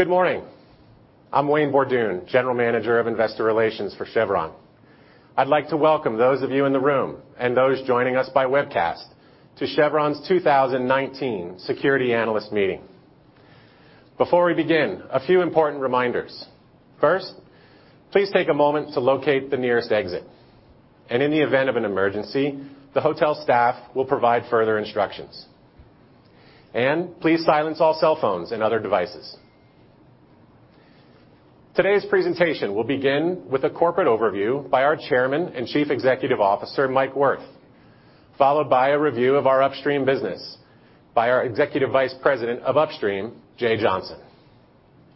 Good morning. I'm Wayne Borduin, General Manager of Investor Relations for Chevron. I'd like to welcome those of you in the room, and those joining us by webcast to Chevron's 2019 Security Analyst Meeting. Before we begin, a few important reminders. First, please take a moment to locate the nearest exit, and in the event of an emergency, the hotel staff will provide further instructions. Please silence all cell phones and other devices. Today's presentation will begin with a corporate overview by our Chairman and Chief Executive Officer, Mike Wirth, followed by a review of our Upstream business by our Executive Vice President of Upstream, Jay Johnson.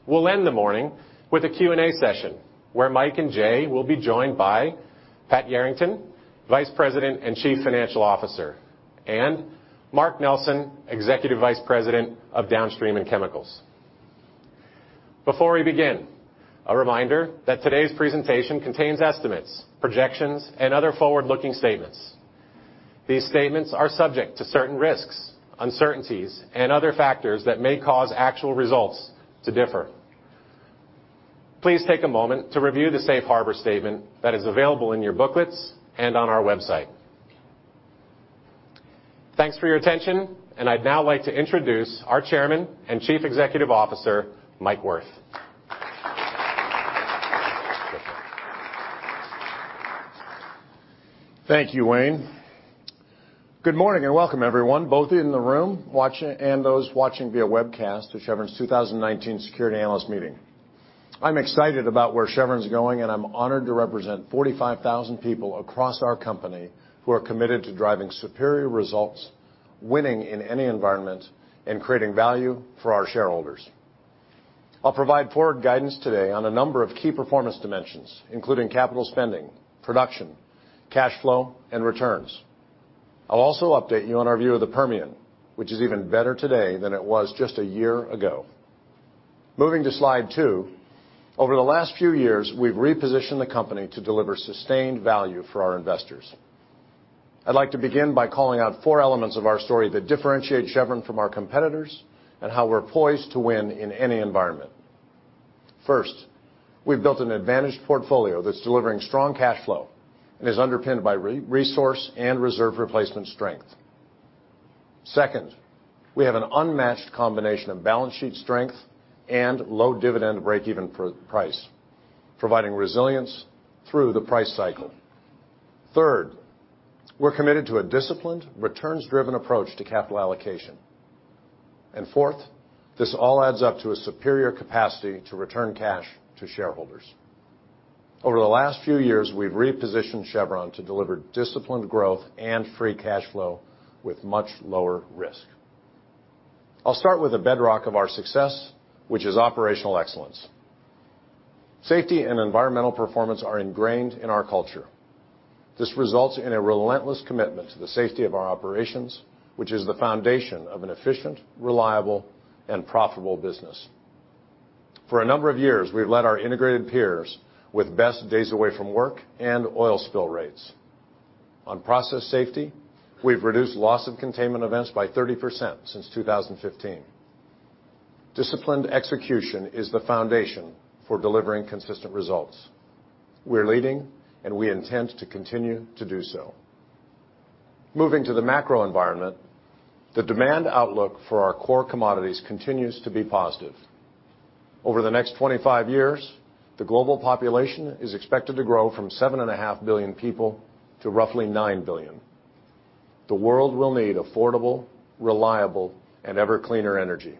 We'll end the morning with a Q&A session where Mike and Jay will be joined by Pat Yarrington, Vice President and Chief Financial Officer, and Mark Nelson, Executive Vice President of Downstream and Chemicals. Before we begin, a reminder that today's presentation contains estimates, projections, and other forward-looking statements. These statements are subject to certain risks, uncertainties and other factors that may cause actual results to differ. Please take a moment to review the safe harbor statement that is available in your booklets and on our website. Thanks for your attention. I'd now like to introduce our Chairman and Chief Executive Officer, Mike Wirth. Thank you, Wayne. Good morning and welcome everyone, both in the room and those watching via webcast to Chevron's 2019 Security Analyst Meeting. I'm excited about where Chevron's going, and I'm honored to represent 45,000 people across our company who are committed to driving superior results, winning in any environment, and creating value for our shareholders. I'll provide forward guidance today on a number of key performance dimensions, including capital spending, production, cash flow, and returns. I'll also update you on our view of the Permian, which is even better today than it was just a year ago. Moving to Slide 2. Over the last few years, we've repositioned the company to deliver sustained value for our investors. I'd like to begin by calling out four elements of our story that differentiate Chevron from our competitors and how we're poised to win in any environment. First, we've built an advantage portfolio that's delivering strong cash flow and is underpinned by resource and reserve replacement strength. Second, we have an unmatched combination of balance sheet strength and low dividend break-even price, providing resilience through the price cycle. Third, we're committed to a disciplined, returns-driven approach to capital allocation. Fourth, this all adds up to a superior capacity to return cash to shareholders. Over the last few years, we've repositioned Chevron to deliver disciplined growth and free cash flow with much lower risk. I'll start with the bedrock of our success, which is operational excellence. Safety and environmental performance are ingrained in our culture. This results in a relentless commitment to the safety of our operations, which is the foundation of an efficient, reliable, and profitable business. For a number of years, we've led our integrated peers with best days away from work and oil spill rates. On process safety, we've reduced loss of containment events by 30% since 2015. Disciplined execution is the foundation for delivering consistent results. We're leading, and we intend to continue to do so. Moving to the macro environment, the demand outlook for our core commodities continues to be positive. Over the next 25 years, the global population is expected to grow from seven and a half billion people to roughly nine billion. The world will need affordable, reliable, and ever-cleaner energy.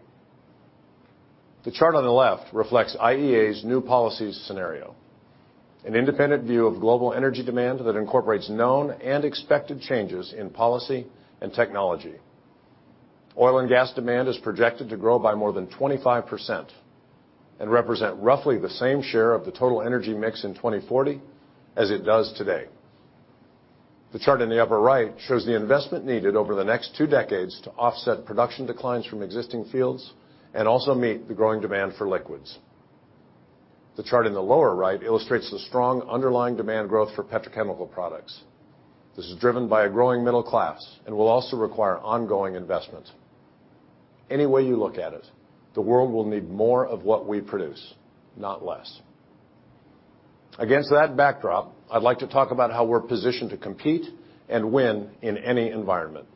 The chart on the left reflects IEA's New Policies Scenario, an independent view of global energy demand that incorporates known and expected changes in policy and technology. Oil and gas demand is projected to grow by more than 25% and represent roughly the same share of the total energy mix in 2040 as it does today. The chart in the upper right shows the investment needed over the next two decades to offset production declines from existing fields and also meet the growing demand for liquids. The chart in the lower right illustrates the strong underlying demand growth for petrochemical products. This is driven by a growing middle class and will also require ongoing investments. Any way you look at it, the world will need more of what we produce, not less. Against that backdrop, I'd like to talk about how we're positioned to compete and win in any environment.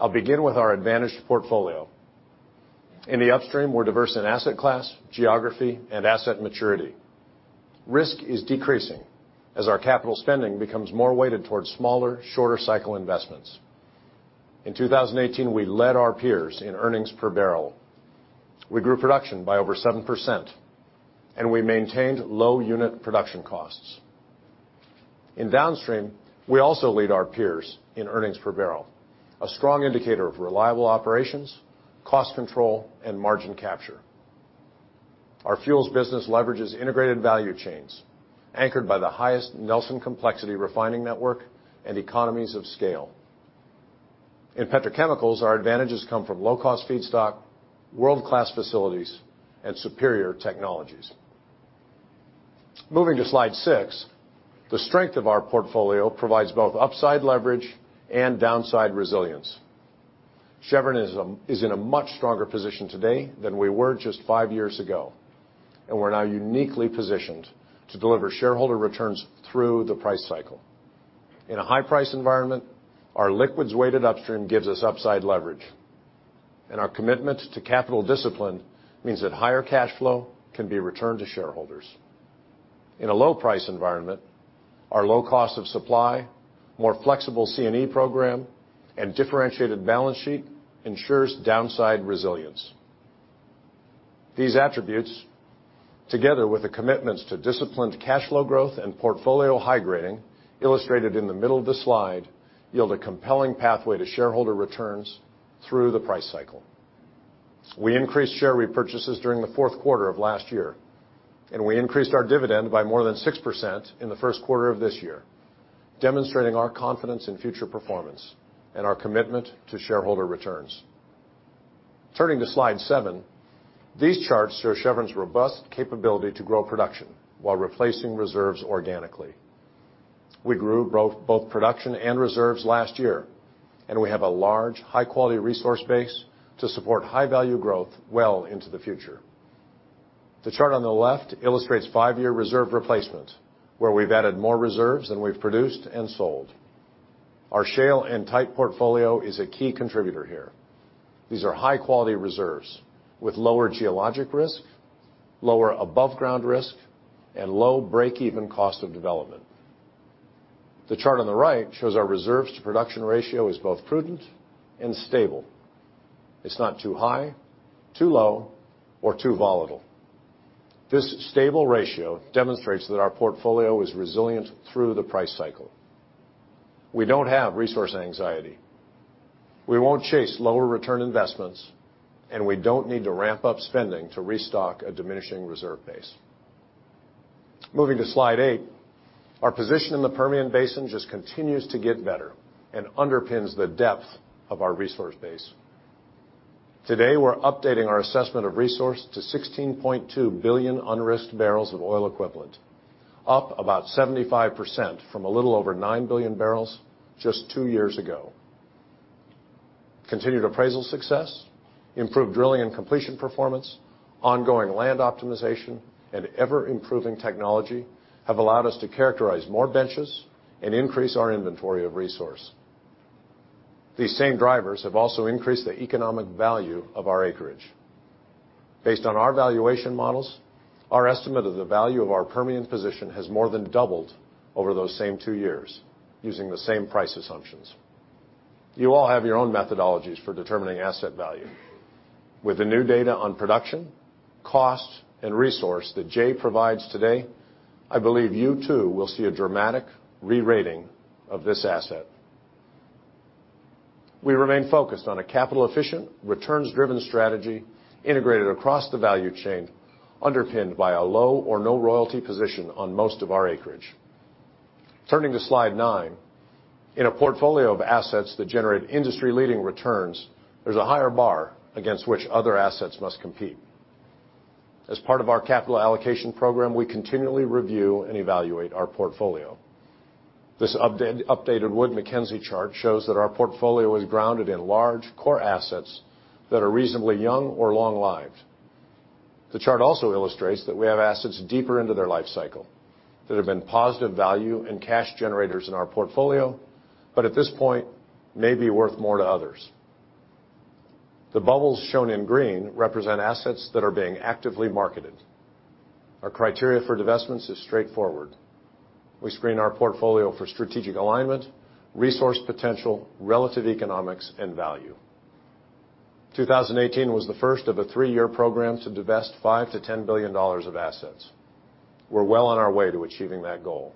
I'll begin with our advantaged portfolio. In the upstream, we're diverse in asset class, geography, and asset maturity. Risk is decreasing as our capital spending becomes more weighted towards smaller, shorter cycle investments. In 2018, we led our peers in earnings per barrel. We grew production by over 7%, and we maintained low unit production costs. In downstream, we also lead our peers in earnings per barrel, a strong indicator of reliable operations, cost control, and margin capture. Our fuels business leverages integrated value chains anchored by the highest Nelson Complexity refining network and economies of scale. In petrochemicals, our advantages come from low-cost feedstock, world-class facilities, and superior technologies. Moving to slide six, the strength of our portfolio provides both upside leverage and downside resilience. Chevron is in a much stronger position today than we were just five years ago, and we're now uniquely positioned to deliver shareholder returns through the price cycle. In a high-price environment, our liquids-weighted upstream gives us upside leverage, and our commitment to capital discipline means that higher cash flow can be returned to shareholders. In a low-price environment, our low cost of supply, more flexible C&E program, and differentiated balance sheet ensures downside resilience. These attributes, together with the commitments to disciplined cash flow growth and portfolio high grading illustrated in the middle of the slide, yield a compelling pathway to shareholder returns through the price cycle. We increased share repurchases during the fourth quarter of last year, and we increased our dividend by more than 6% in the first quarter of this year, demonstrating our confidence in future performance and our commitment to shareholder returns. Turning to slide seven, these charts show Chevron's robust capability to grow production while replacing reserves organically. We grew both production and reserves last year. We have a large, high-quality resource base to support high-value growth well into the future. The chart on the left illustrates five-year reserve replacement, where we've added more reserves than we've produced and sold. Our shale and tight portfolio is a key contributor here. These are high-quality reserves with lower geologic risk, lower above-ground risk, and low break-even cost of development. The chart on the right shows our reserves to production ratio is both prudent and stable. It's not too high, too low, or too volatile. This stable ratio demonstrates that our portfolio is resilient through the price cycle. We don't have resource anxiety. We won't chase lower return investments. We don't need to ramp up spending to restock a diminishing reserve base. Moving to slide eight, our position in the Permian Basin just continues to get better and underpins the depth of our resource base. Today, we're updating our assessment of resource to 16.2 billion unrisked barrels of oil equivalent, up about 75% from a little over 9 billion barrels just two years ago. Continued appraisal success, improved drilling and completion performance, ongoing land optimization, and ever-improving technology have allowed us to characterize more benches and increase our inventory of resource. These same drivers have also increased the economic value of our acreage. Based on our valuation models, our estimate of the value of our Permian position has more than doubled over those same two years using the same price assumptions. You all have your own methodologies for determining asset value. With the new data on production, cost, and resource that Jay provides today, I believe you too will see a dramatic re-rating of this asset. We remain focused on a capital-efficient, returns-driven strategy integrated across the value chain underpinned by a low or no royalty position on most of our acreage. Turning to slide nine, in a portfolio of assets that generate industry-leading returns, there's a higher bar against which other assets must compete. As part of our capital allocation program, we continually review and evaluate our portfolio. This updated Wood Mackenzie chart shows that our portfolio is grounded in large core assets that are reasonably young or long-lived. The chart also illustrates that we have assets deeper into their life cycle that have been positive value and cash generators in our portfolio, but at this point may be worth more to others. The bubbles shown in green represent assets that are being actively marketed. Our criteria for divestments is straightforward. We screen our portfolio for strategic alignment, resource potential, relative economics, and value. 2018 was the first of a three-year program to divest $5 billion-$10 billion of assets. We're well on our way to achieving that goal.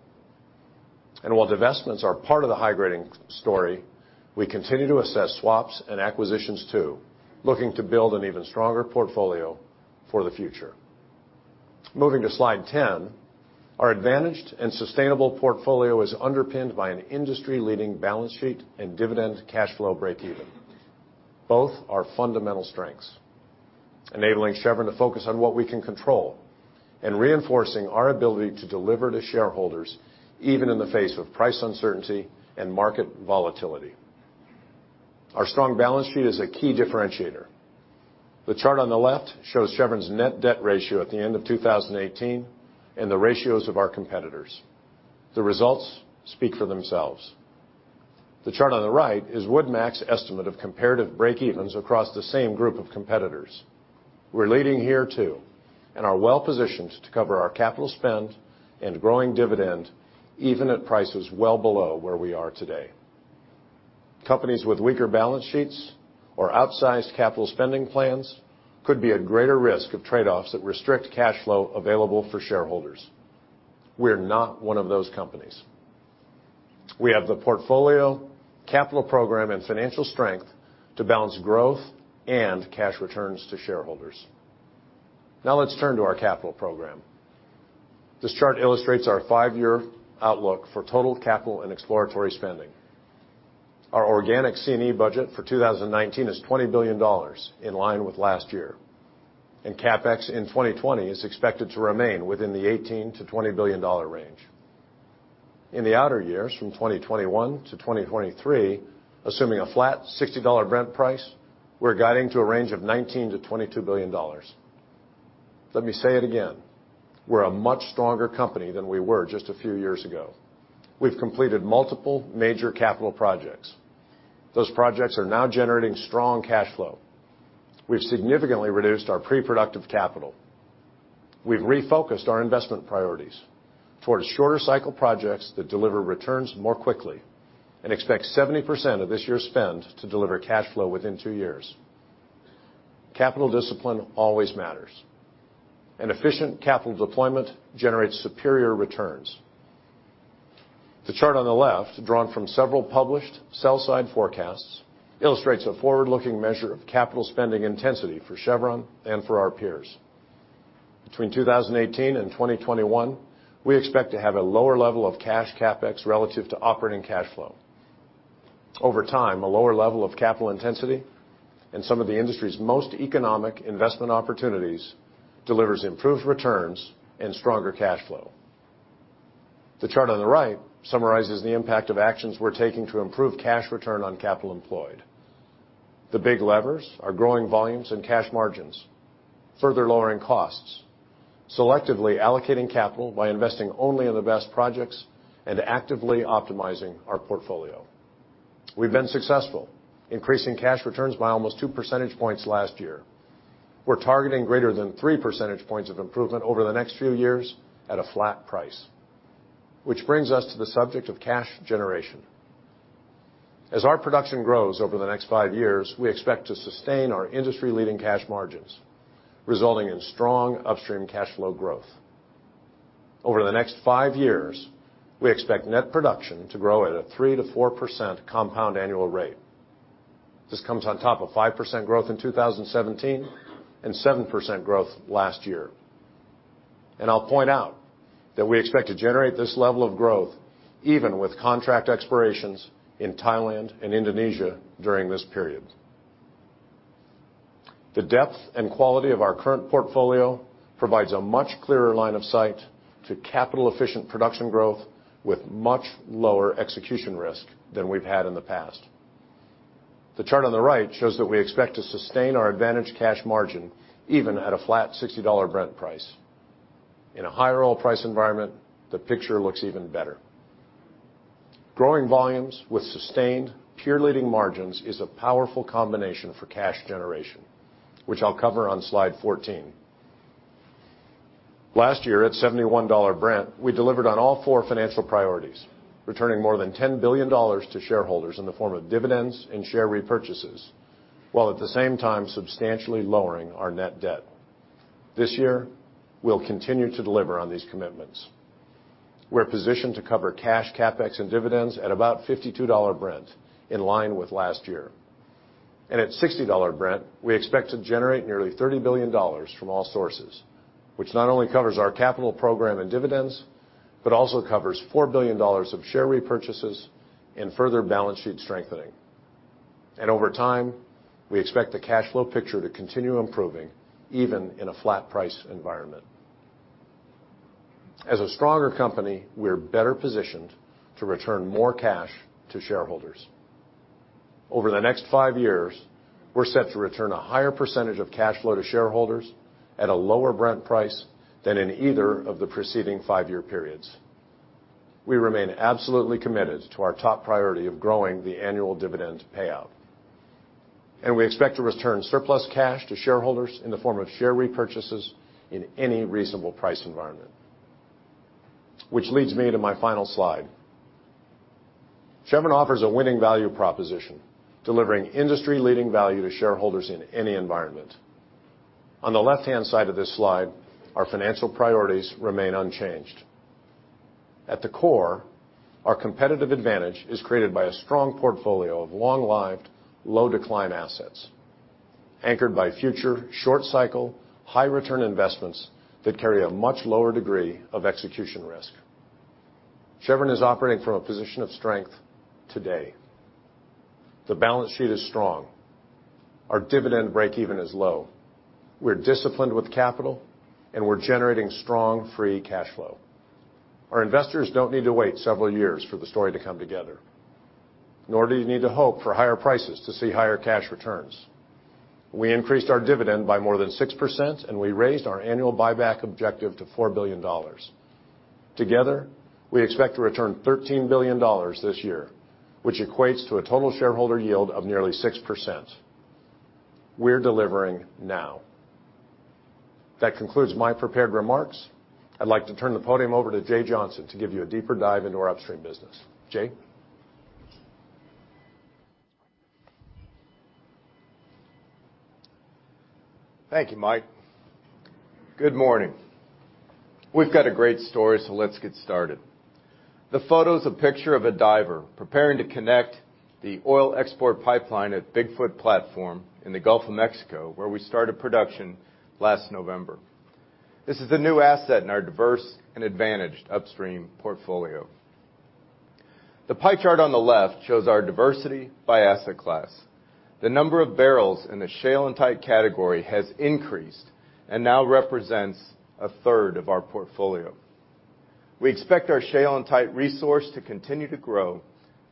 While divestments are part of the high grading story, we continue to assess swaps and acquisitions too, looking to build an even stronger portfolio for the future. Moving to slide 10, our advantaged and sustainable portfolio is underpinned by an industry-leading balance sheet and dividend cash flow break even. Both are fundamental strengths, enabling Chevron to focus on what we can control and reinforcing our ability to deliver to shareholders even in the face of price uncertainty and market volatility. Our strong balance sheet is a key differentiator. The chart on the left shows Chevron's net debt ratio at the end of 2018 and the ratios of our competitors. The results speak for themselves. The chart on the right is Wood Mac's estimate of comparative break-evens across the same group of competitors. We're leading here, too, and are well-positioned to cover our capital spend and growing dividend even at prices well below where we are today. Companies with weaker balance sheets or outsized capital spending plans could be at greater risk of trade-offs that restrict cash flow available for shareholders. We're not one of those companies. We have the portfolio, capital program, and financial strength to balance growth and cash returns to shareholders. Now let's turn to our capital program. This chart illustrates our five-year outlook for total capital and exploratory spending. Our organic C&E budget for 2019 is $20 billion, in line with last year. CapEx in 2020 is expected to remain within the $18 billion-$20 billion range. In the outer years, from 2021 to 2023, assuming a flat $60 Brent price, we're guiding to a range of $19 billion-$22 billion. Let me say it again. We're a much stronger company than we were just a few years ago. We've completed multiple major capital projects. Those projects are now generating strong cash flow. We've significantly reduced our pre-productive capital. We've refocused our investment priorities towards shorter cycle projects that deliver returns more quickly and expect 70% of this year's spend to deliver cash flow within two years. Capital discipline always matters, and efficient capital deployment generates superior returns. The chart on the left, drawn from several published sell-side forecasts, illustrates a forward-looking measure of capital spending intensity for Chevron and for our peers. Between 2018 and 2021, we expect to have a lower level of cash CapEx relative to operating cash flow. Over time, a lower level of capital intensity and some of the industry's most economic investment opportunities delivers improved returns and stronger cash flow. The chart on the right summarizes the impact of actions we're taking to improve cash return on capital employed. The big levers are growing volumes and cash margins, further lowering costs, selectively allocating capital by investing only in the best projects, and actively optimizing our portfolio. We've been successful, increasing cash returns by almost two percentage points last year. We're targeting greater than three percentage points of improvement over the next few years at a flat price. Which brings us to the subject of cash generation. As our production grows over the next five years, we expect to sustain our industry-leading cash margins, resulting in strong upstream cash flow growth. Over the next five years, we expect net production to grow at a 3%-4% compound annual rate. This comes on top of 5% growth in 2017 and 7% growth last year. I'll point out that we expect to generate this level of growth even with contract expirations in Thailand and Indonesia during this period. The depth and quality of our current portfolio provides a much clearer line of sight to capital-efficient production growth with much lower execution risk than we've had in the past. The chart on the right shows that we expect to sustain our advantage cash margin even at a flat $60 Brent price. In a higher oil price environment, the picture looks even better. Growing volumes with sustained peer-leading margins is a powerful combination for cash generation, which I'll cover on slide 14. Last year, at $71 Brent, we delivered on all four financial priorities, returning more than $10 billion to shareholders in the form of dividends and share repurchases, while at the same time substantially lowering our net debt. This year, we'll continue to deliver on these commitments. We're positioned to cover cash CapEx and dividends at about $52 Brent, in line with last year. At $60 Brent, we expect to generate nearly $30 billion from all sources, which not only covers our capital program and dividends, but also covers $4 billion of share repurchases and further balance sheet strengthening. Over time, we expect the cash flow picture to continue improving even in a flat price environment. As a stronger company, we're better positioned to return more cash to shareholders. Over the next five years, we're set to return a higher percentage of cash flow to shareholders at a lower Brent price than in either of the preceding five-year periods. We remain absolutely committed to our top priority of growing the annual dividend payout. We expect to return surplus cash to shareholders in the form of share repurchases in any reasonable price environment. Which leads me to my final slide. Chevron offers a winning value proposition, delivering industry-leading value to shareholders in any environment. On the left-hand side of this slide, our financial priorities remain unchanged. At the core, our competitive advantage is created by a strong portfolio of long-lived, low-decline assets anchored by future short-cycle, high-return investments that carry a much lower degree of execution risk. Chevron is operating from a position of strength today. The balance sheet is strong. Our dividend break-even is low. We're disciplined with capital, and we're generating strong free cash flow. Our investors don't need to wait several years for the story to come together. Nor do you need to hope for higher prices to see higher cash returns. We increased our dividend by more than 6%, and we raised our annual buyback objective to $4 billion. Together, we expect to return $13 billion this year, which equates to a total shareholder yield of nearly 6%. We're delivering now. That concludes my prepared remarks. I'd like to turn the podium over to Jay Johnson to give you a deeper dive into our upstream business. Jay? Thank you, Mike. Good morning. We've got a great story, so let's get started. The photo's a picture of a diver preparing to connect the oil export pipeline at Big Foot platform in the Gulf of Mexico, where we started production last November. This is a new asset in our diverse and advantaged upstream portfolio. The pie chart on the left shows our diversity by asset class. The number of barrels in the shale and tight category has increased and now represents a third of our portfolio. We expect our shale and tight resource to continue to grow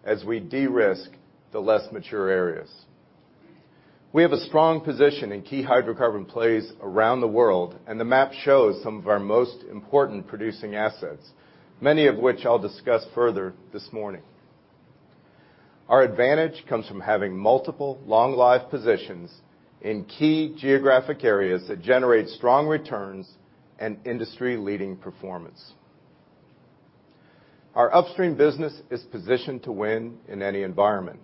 as we de-risk the less mature areas. We have a strong position in key hydrocarbon plays around the world, and the map shows some of our most important producing assets, many of which I'll discuss further this morning. Our advantage comes from having multiple long life positions in key geographic areas that generate strong returns and industry-leading performance. Our upstream business is positioned to win in any environment.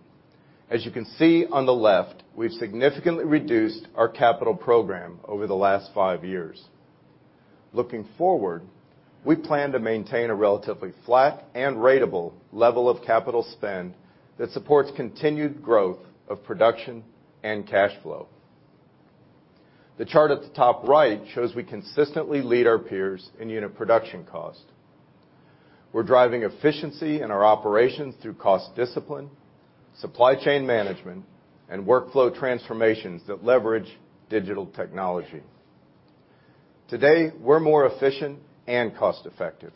As you can see on the left, we've significantly reduced our capital program over the last five years. Looking forward, we plan to maintain a relatively flat and ratable level of capital spend that supports continued growth of production and cash flow. The chart at the top right shows we consistently lead our peers in unit production cost. We're driving efficiency in our operations through cost discipline, supply chain management, and workflow transformations that leverage digital technology. Today, we're more efficient and cost effective,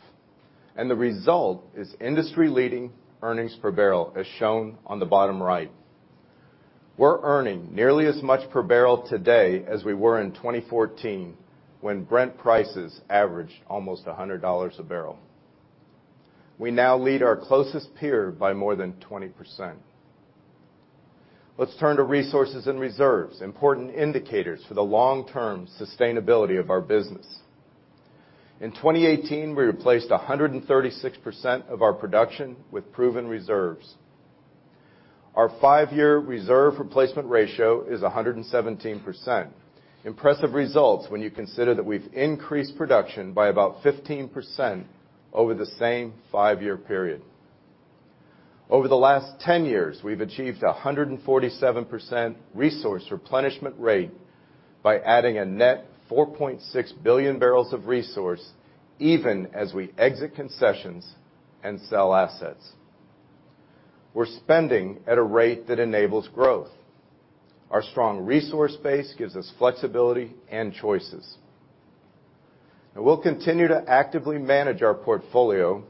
and the result is industry-leading earnings per barrel, as shown on the bottom right. We're earning nearly as much per barrel today as we were in 2014, when Brent prices averaged almost $100 a barrel. We now lead our closest peer by more than 20%. Let's turn to resources and reserves, important indicators for the long-term sustainability of our business. In 2018, we replaced 136% of our production with proven reserves. Our five-year reserve replacement ratio is 117%. Impressive results when you consider that we've increased production by about 15% over the same five-year period. Over the last 10 years, we've achieved 147% resource replenishment rate by adding a net 4.6 billion barrels of resource even as we exit concessions and sell assets. We're spending at a rate that enables growth. Our strong resource base gives us flexibility and choices. We'll continue to actively manage our portfolio,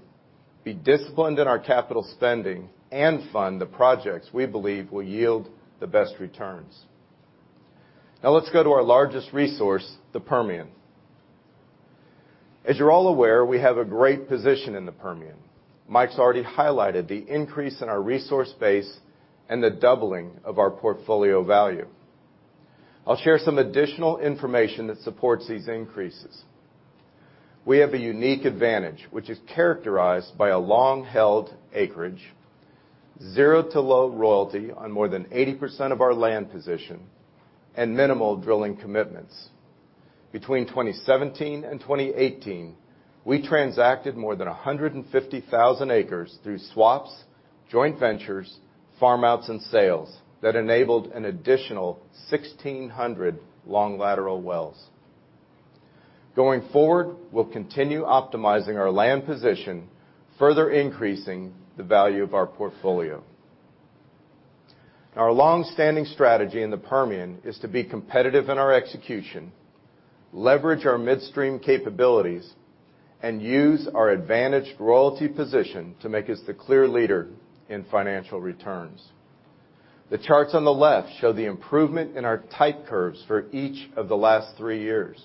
be disciplined in our capital spending, and fund the projects we believe will yield the best returns. Let's go to our largest resource, the Permian. As you're all aware, we have a great position in the Permian. Mike's already highlighted the increase in our resource base and the doubling of our portfolio value. I'll share some additional information that supports these increases. We have a unique advantage, which is characterized by a long-held acreage, zero to low royalty on more than 80% of our land position, and minimal drilling commitments. Between 2017 and 2018, we transacted more than 150,000 acres through swaps, joint ventures, farm outs, and sales that enabled an additional 1,600 long lateral wells. Going forward, we'll continue optimizing our land position, further increasing the value of our portfolio. Our long-standing strategy in the Permian is to be competitive in our execution, leverage our midstream capabilities, and use our advantaged royalty position to make us the clear leader in financial returns. The charts on the left show the improvement in our type curves for each of the last three years.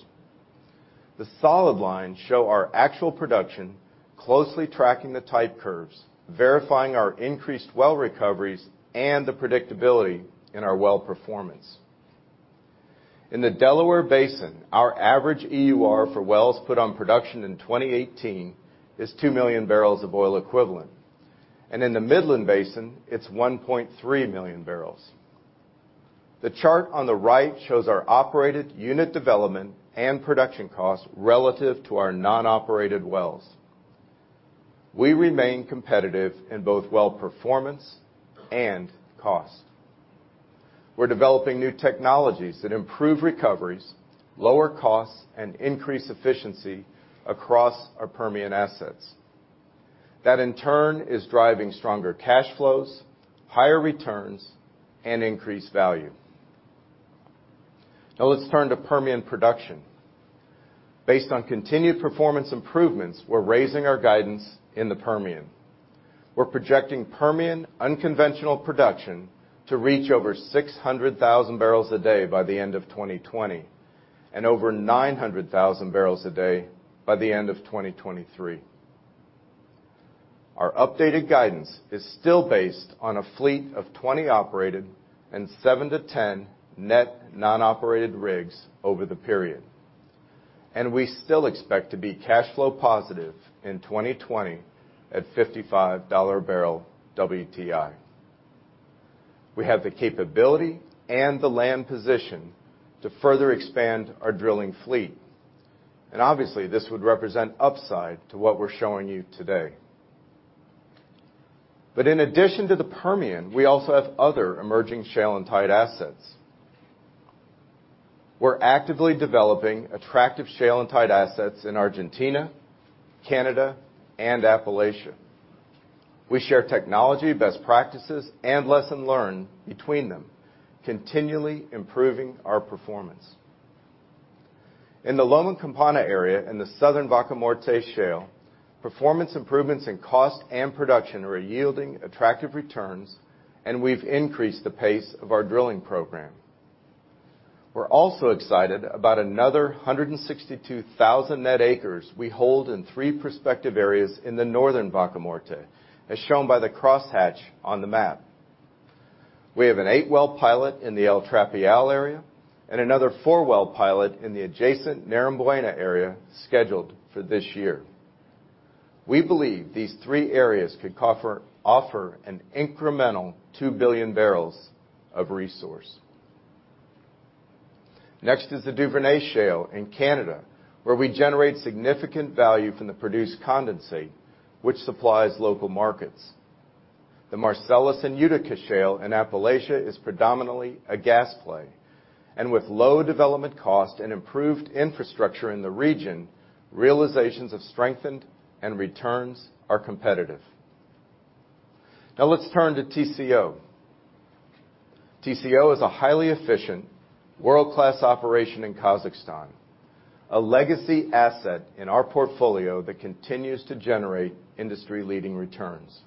The solid lines show our actual production closely tracking the type curves, verifying our increased well recoveries and the predictability in our well performance. In the Delaware Basin, our average EUR for wells put on production in 2018 is 2 million barrels of oil equivalent. In the Midland Basin, it's 1.3 million barrels. The chart on the right shows our operated unit development and production costs relative to our non-operated wells. We remain competitive in both well performance and cost. We're developing new technologies that improve recoveries, lower costs, and increase efficiency across our Permian assets. That, in turn, is driving stronger cash flows, higher returns, and increased value. Let's turn to Permian production. Based on continued performance improvements, we're raising our guidance in the Permian. We're projecting Permian unconventional production to reach over 600,000 barrels a day by the end of 2020, over 900,000 barrels a day by the end of 2023. Our updated guidance is still based on a fleet of 20 operated and seven to 10 net non-operated rigs over the period. We still expect to be cash flow positive in 2020 at $55 a barrel WTI. We have the capability and the land position to further expand our drilling fleet, obviously, this would represent upside to what we're showing you today. In addition to the Permian, we also have other emerging shale and tight assets. We're actively developing attractive shale and tight assets in Argentina, Canada, and Appalachia. We share technology, best practices, and lesson learned between them, continually improving our performance. In the Loma Campana area in the southern Vaca Muerta shale, performance improvements in cost and production are yielding attractive returns. We've increased the pace of our drilling program. We're also excited about another 162,000 net acres we hold in three prospective areas in the northern Vaca Muerta, as shown by the crosshatch on the map. We have an eight-well pilot in the El Trapial area and another four-well pilot in the adjacent Narambuena area scheduled for this year. We believe these three areas could offer an incremental two billion barrels of resource. Next is the Duvernay Shale in Canada, where we generate significant value from the produced condensate, which supplies local markets. The Marcellus and Utica Shale in Appalachia is predominantly a gas play, with low development cost and improved infrastructure in the region, realizations have strengthened and returns are competitive. Let's turn to Tengizchevroil. Tengizchevroil is a highly efficient world-class operation in Kazakhstan, a legacy asset in our portfolio that continues to generate industry-leading returns.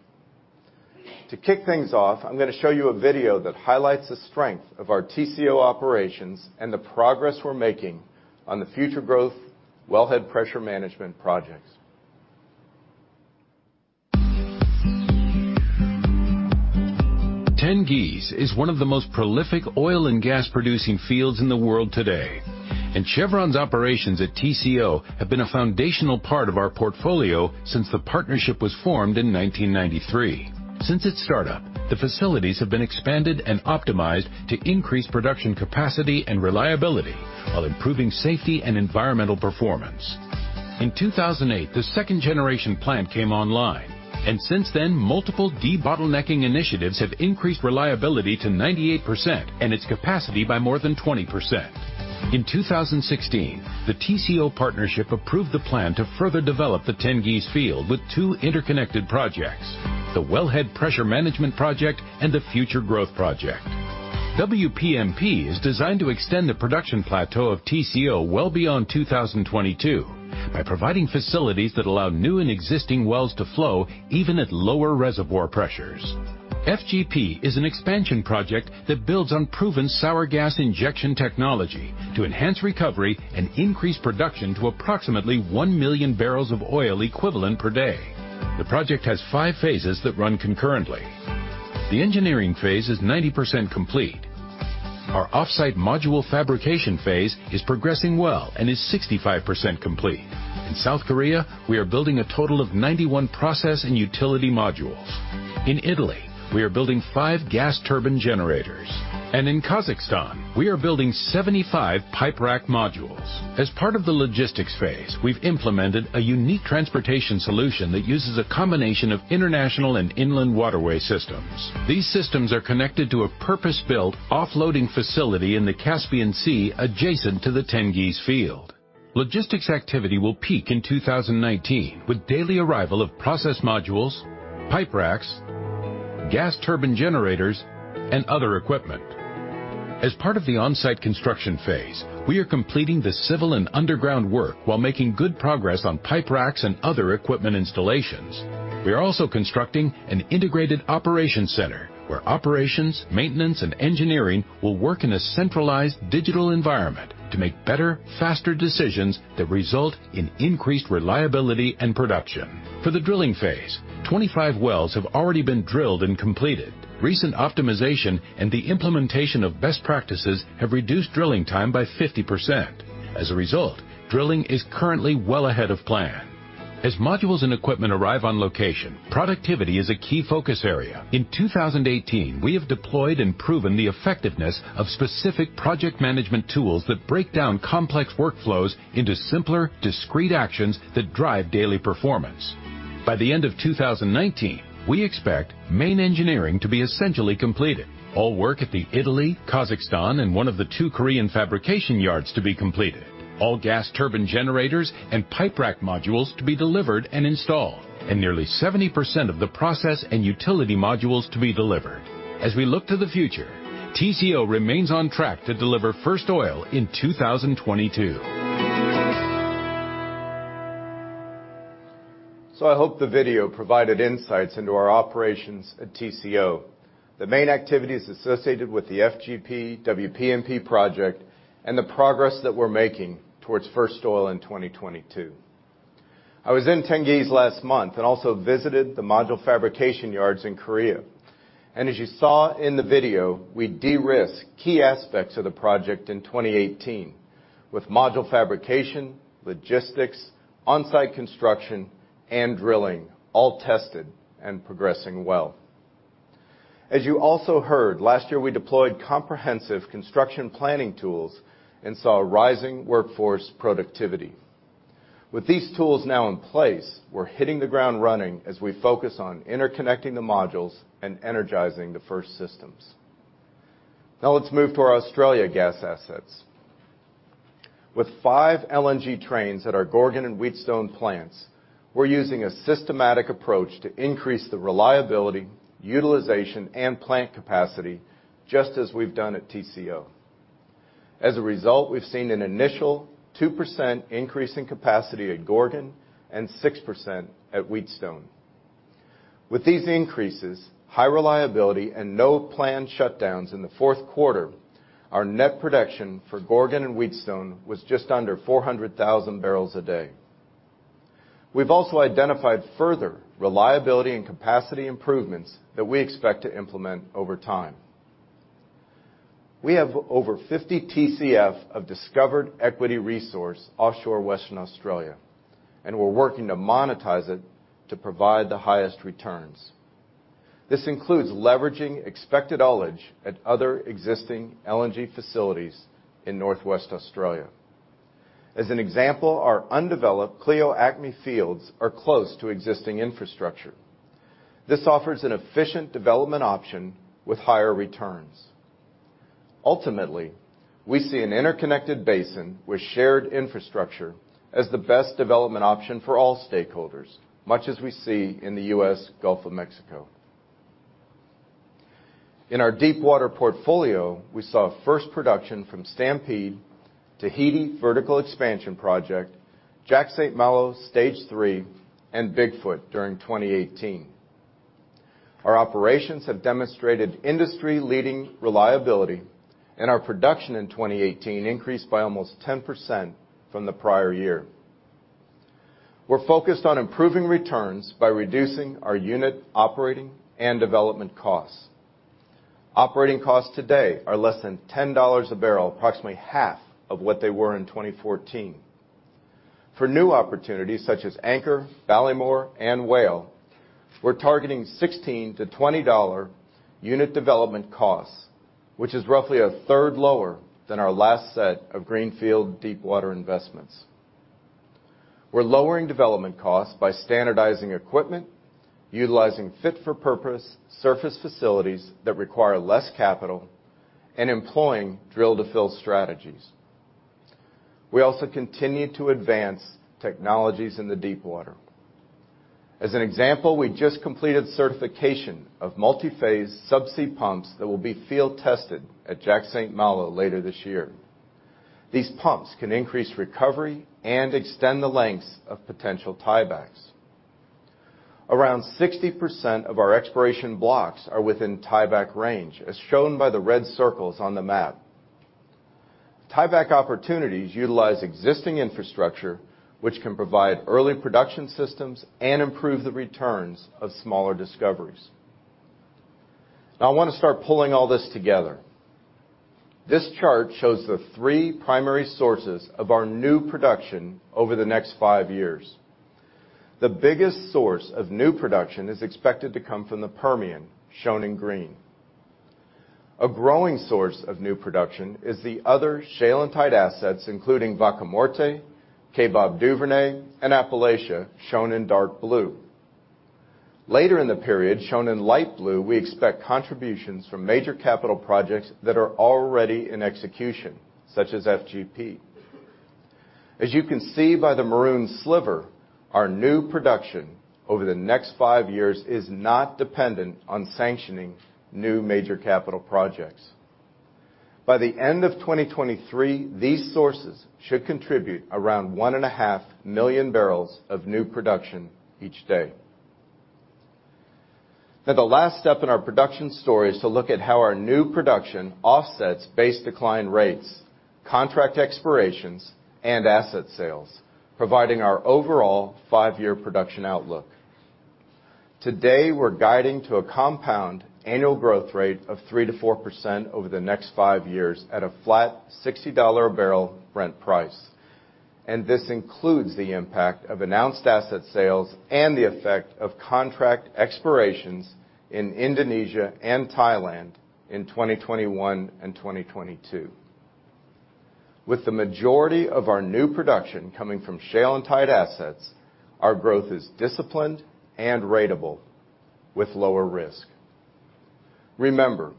To kick things off, I'm going to show you a video that highlights the strength of our Tengizchevroil operations and the progress we're making on the Future Growth Wellhead Pressure Management Projects. Tengiz is one of the most prolific oil and gas-producing fields in the world today. Chevron's operations at Tengizchevroil have been a foundational part of our portfolio since the partnership was formed in 1993. Since its startup, the facilities have been expanded and optimized to increase production capacity and reliability while improving safety and environmental performance. In 2008, the second-generation plant came online. Since then, multiple debottlenecking initiatives have increased reliability to 98% and its capacity by more than 20%. In 2016, the Tengizchevroil partnership approved the plan to further develop the Tengiz field with two interconnected projects: the Wellhead Pressure Management Project and the Future Growth Project. WPMP is designed to extend the production plateau of Tengizchevroil well beyond 2022 by providing facilities that allow new and existing wells to flow even at lower reservoir pressures. FGP is an expansion project that builds on proven sour gas injection technology to enhance recovery and increase production to approximately 1 million barrels of oil equivalent per day. The project has 5 phases that run concurrently. The engineering phase is 90% complete. Our offsite module fabrication phase is progressing well and is 65% complete. In South Korea, we are building a total of 91 process and utility modules. In Italy, we are building five gas turbine generators. In Kazakhstan, we are building 75 pipe rack modules. As part of the logistics phase, we've implemented a unique transportation solution that uses a combination of international and inland waterway systems. These systems are connected to a purpose-built offloading facility in the Caspian Sea adjacent to the Tengiz field. Logistics activity will peak in 2019 with daily arrival of process modules, pipe racks, gas turbine generators, and other equipment. As part of the onsite construction phase, we are completing the civil and underground work while making good progress on pipe racks and other equipment installations. We are also constructing an integrated operation center where operations, maintenance, and engineering will work in a centralized digital environment to make better, faster decisions that result in increased reliability and production. For the drilling phase, 25 wells have already been drilled and completed. Recent optimization and the implementation of best practices have reduced drilling time by 50%. As a result, drilling is currently well ahead of plan. As modules and equipment arrive on location, productivity is a key focus area. In 2018, we have deployed and proven the effectiveness of specific project management tools that break down complex workflows into simpler, discrete actions that drive daily performance. By the end of 2019, we expect main engineering to be essentially completed, all work at the Italy, Kazakhstan, and one of the two Korean fabrication yards to be completed, all gas turbine generators and pipe rack modules to be delivered and installed, and nearly 70% of the process and utility modules to be delivered. As we look to the future, Tengizchevroil remains on track to deliver first oil in 2022. I hope the video provided insights into our operations at Tengizchevroil, the main activities associated with the FGP WPMP project, and the progress that we're making towards first oil in 2022. I was in Tengiz last month and also visited the module fabrication yards in Korea. As you saw in the video, we de-risk key aspects of the project in 2018 with module fabrication, logistics, on-site construction, and drilling all tested and progressing well. As you also heard, last year we deployed comprehensive construction planning tools and saw rising workforce productivity. With these tools now in place, we're hitting the ground running as we focus on interconnecting the modules and energizing the first systems. Now let's move to our Australia gas assets. With five LNG trains at our Gorgon and Wheatstone plants, we're using a systematic approach to increase the reliability, utilization, and plant capacity, just as we've done at Tengizchevroil. As a result, we've seen an initial 2% increase in capacity at Gorgon and 6% at Wheatstone. With these increases, high reliability, and no planned shutdowns in the fourth quarter, our net production for Gorgon and Wheatstone was just under 400,000 barrels a day. We've also identified further reliability and capacity improvements that we expect to implement over time. We have over 50 TCF of discovered equity resource offshore Western Australia, and we're working to monetize it to provide the highest returns. This includes leveraging expected ullage at other existing LNG facilities in Northwest Australia. As an example, our undeveloped Clio-Acme fields are close to existing infrastructure. This offers an efficient development option with higher returns. Ultimately, we see an interconnected basin with shared infrastructure as the best development option for all stakeholders, much as we see in the U.S. Gulf of Mexico. In our Deepwater portfolio, we saw first production from Stampede, Tahiti Vertical Expansion Project, Jack/St. Malo Stage 3, and Big Foot during 2018. Our operations have demonstrated industry-leading reliability, and our production in 2018 increased by almost 10% from the prior year. We're focused on improving returns by reducing our unit operating and development costs. Operating costs today are less than $10 a barrel, approximately half of what they were in 2014. For new opportunities such as Anchor, Ballymore, and Whale, we're targeting $16-$20 unit development costs, which is roughly a third lower than our last set of greenfield Deepwater investments. We're lowering development costs by standardizing equipment, utilizing fit-for-purpose surface facilities that require less capital, and employing drill-to-fill strategies. We also continue to advance technologies in the Deepwater. As an example, we just completed certification of multi-phase subsea pumps that will be field tested at Jack/St. Malo later this year. These pumps can increase recovery and extend the lengths of potential tiebacks. Around 60% of our exploration blocks are within tieback range, as shown by the red circles on the map. Tieback opportunities utilize existing infrastructure, which can provide early production systems and improve the returns of smaller discoveries. Now I want to start pulling all this together. This chart shows the three primary sources of our new production over the next five years. The biggest source of new production is expected to come from the Permian, shown in green. A growing source of new production is the other shale and tight assets, including Vaca Muerta, Kaybob Duvernay, and Appalachia, shown in dark blue. Later in the period, shown in light blue, we expect contributions from major capital projects that are already in execution, such as FGP. As you can see by the maroon sliver, our new production over the next five years is not dependent on sanctioning new major capital projects. By the end of 2023, these sources should contribute around one and a half million barrels of new production each day. The last step in our production story is to look at how our new production offsets base decline rates, contract expirations, and asset sales, providing our overall five-year production outlook. Today, we're guiding to a compound annual growth rate of 3%-4% over the next five years at a flat $60 a barrel Brent price. This includes the impact of announced asset sales and the effect of contract expirations in Indonesia and Thailand in 2021 and 2022. With the majority of our new production coming from shale and tight assets, our growth is disciplined and ratable with lower risk. Remember,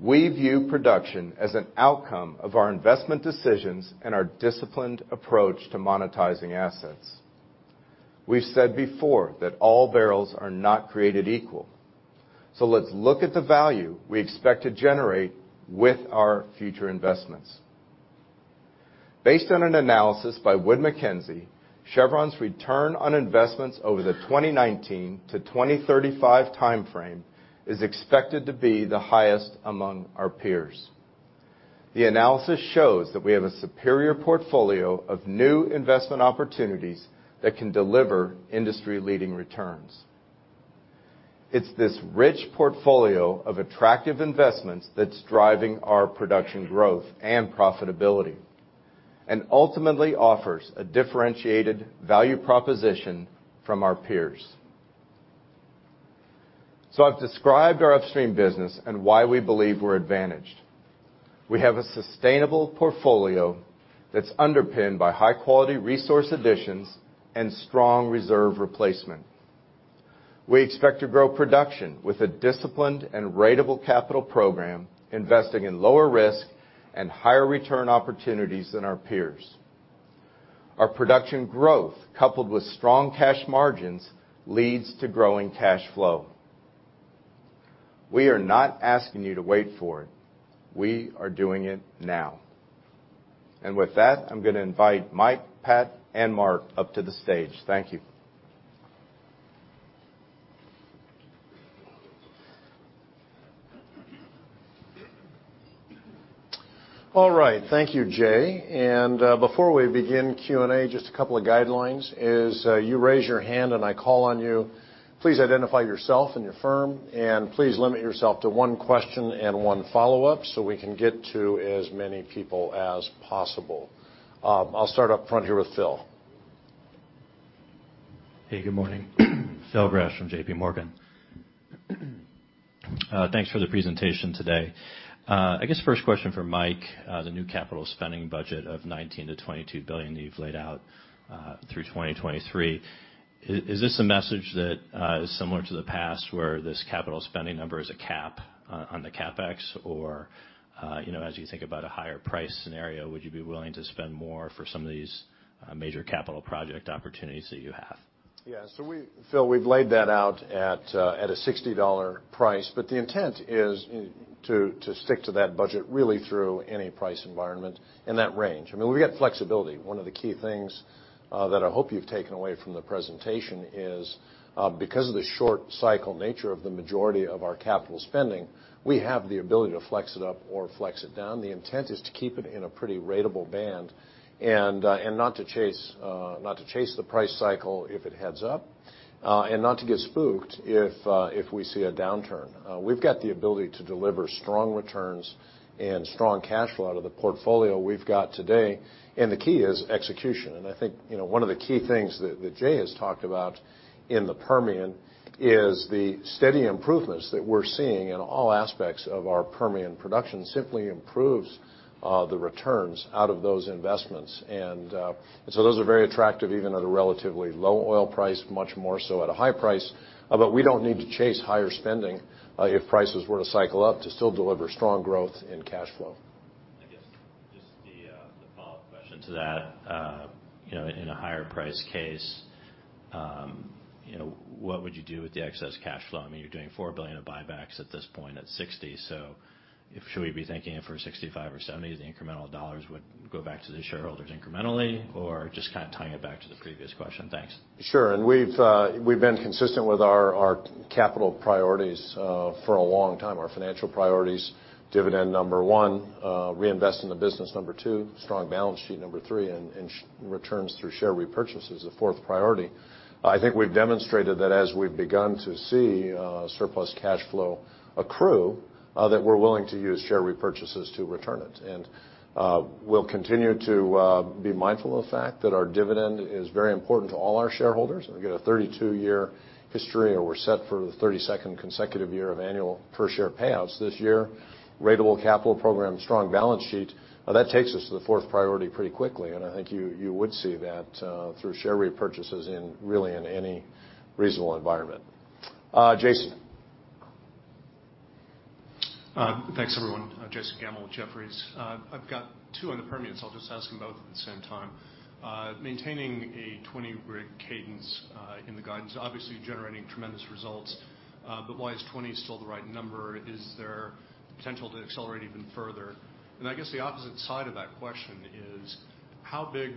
we view production as an outcome of our investment decisions and our disciplined approach to monetizing assets. We've said before that all barrels are not created equal. Let's look at the value we expect to generate with our future investments. Based on an analysis by Wood Mackenzie, Chevron's return on investments over the 2019 to 2035 timeframe is expected to be the highest among our peers. The analysis shows that we have a superior portfolio of new investment opportunities that can deliver industry-leading returns. It's this rich portfolio of attractive investments that's driving our production growth and profitability. Ultimately offers a differentiated value proposition from our peers. I've described our Upstream business and why we believe we're advantaged. We have a sustainable portfolio that's underpinned by high-quality resource additions and strong reserve replacement. We expect to grow production with a disciplined and ratable capital program, investing in lower risk and higher return opportunities than our peers. Our production growth, coupled with strong cash margins, leads to growing cash flow. We are not asking you to wait for it. We are doing it now. With that, I'm going to invite Mike, Pat, and Mark up to the stage. Thank you. All right. Thank you, Jay. Before we begin Q&A, just a couple of guidelines is you raise your hand and I call on you. Please identify yourself and your firm, and please limit yourself to one question and one follow-up so we can get to as many people as possible. I'll start up front here with Phil. Hey, good morning. Phil Gresh from JPMorgan Chase. Thanks for the presentation today. I guess first question for Mike, the new capital spending budget of $19 billion-$22 billion that you've laid out through 2023. Is this a message that is similar to the past, where this capital spending number is a cap on the CapEx? As you think about a higher price scenario, would you be willing to spend more for some of these major capital project opportunities that you have? Phil, we've laid that out at a $60 price. The intent is to stick to that budget really through any price environment in that range. We've got flexibility. One of the key things that I hope you've taken away from the presentation is because of the short cycle nature of the majority of our capital spending, we have the ability to flex it up or flex it down. The intent is to keep it in a pretty ratable band and not to chase the price cycle if it heads up and not to get spooked if we see a downturn. We've got the ability to deliver strong returns and strong cash flow out of the portfolio we've got today, and the key is execution. I think one of the key things that Jay has talked about in the Permian is the steady improvements that we're seeing in all aspects of our Permian production simply improves the returns out of those investments. Those are very attractive even at a relatively low oil price, much more so at a high price. We don't need to chase higher spending if prices were to cycle up to still deliver strong growth in cash flow. I guess just the follow-up question to that. In a higher price case, what would you do with the excess cash flow? You're doing $4 billion of buybacks at this point at $60. Should we be thinking if we're $65 or $70, the incremental dollars would go back to the shareholders incrementally? Just kind of tying it back to the previous question. Thanks. Sure. We've been consistent with our capital priorities for a long time. Our financial priorities, dividend, number one, reinvest in the business, number two, strong balance sheet, number three, returns through share repurchase is a fourth priority. I think we've demonstrated that as we've begun to see surplus cash flow accrue, that we're willing to use share repurchases to return it. We'll continue to be mindful of the fact that our dividend is very important to all our shareholders. We've got a 32-year history, and we're set for the 32nd consecutive year of annual per-share payouts this year. Ratable capital program, strong balance sheet. That takes us to the fourth priority pretty quickly, and I think you would see that through share repurchases in really any reasonable environment. Jason. Thanks, everyone. Jason Gammel with Jefferies. I've got two on the Permian. I'll just ask them both at the same time. Maintaining a 20 rig cadence in the guidance, obviously generating tremendous results. Why is 20 still the right number? Is there potential to accelerate even further? I guess the opposite side of that question is how big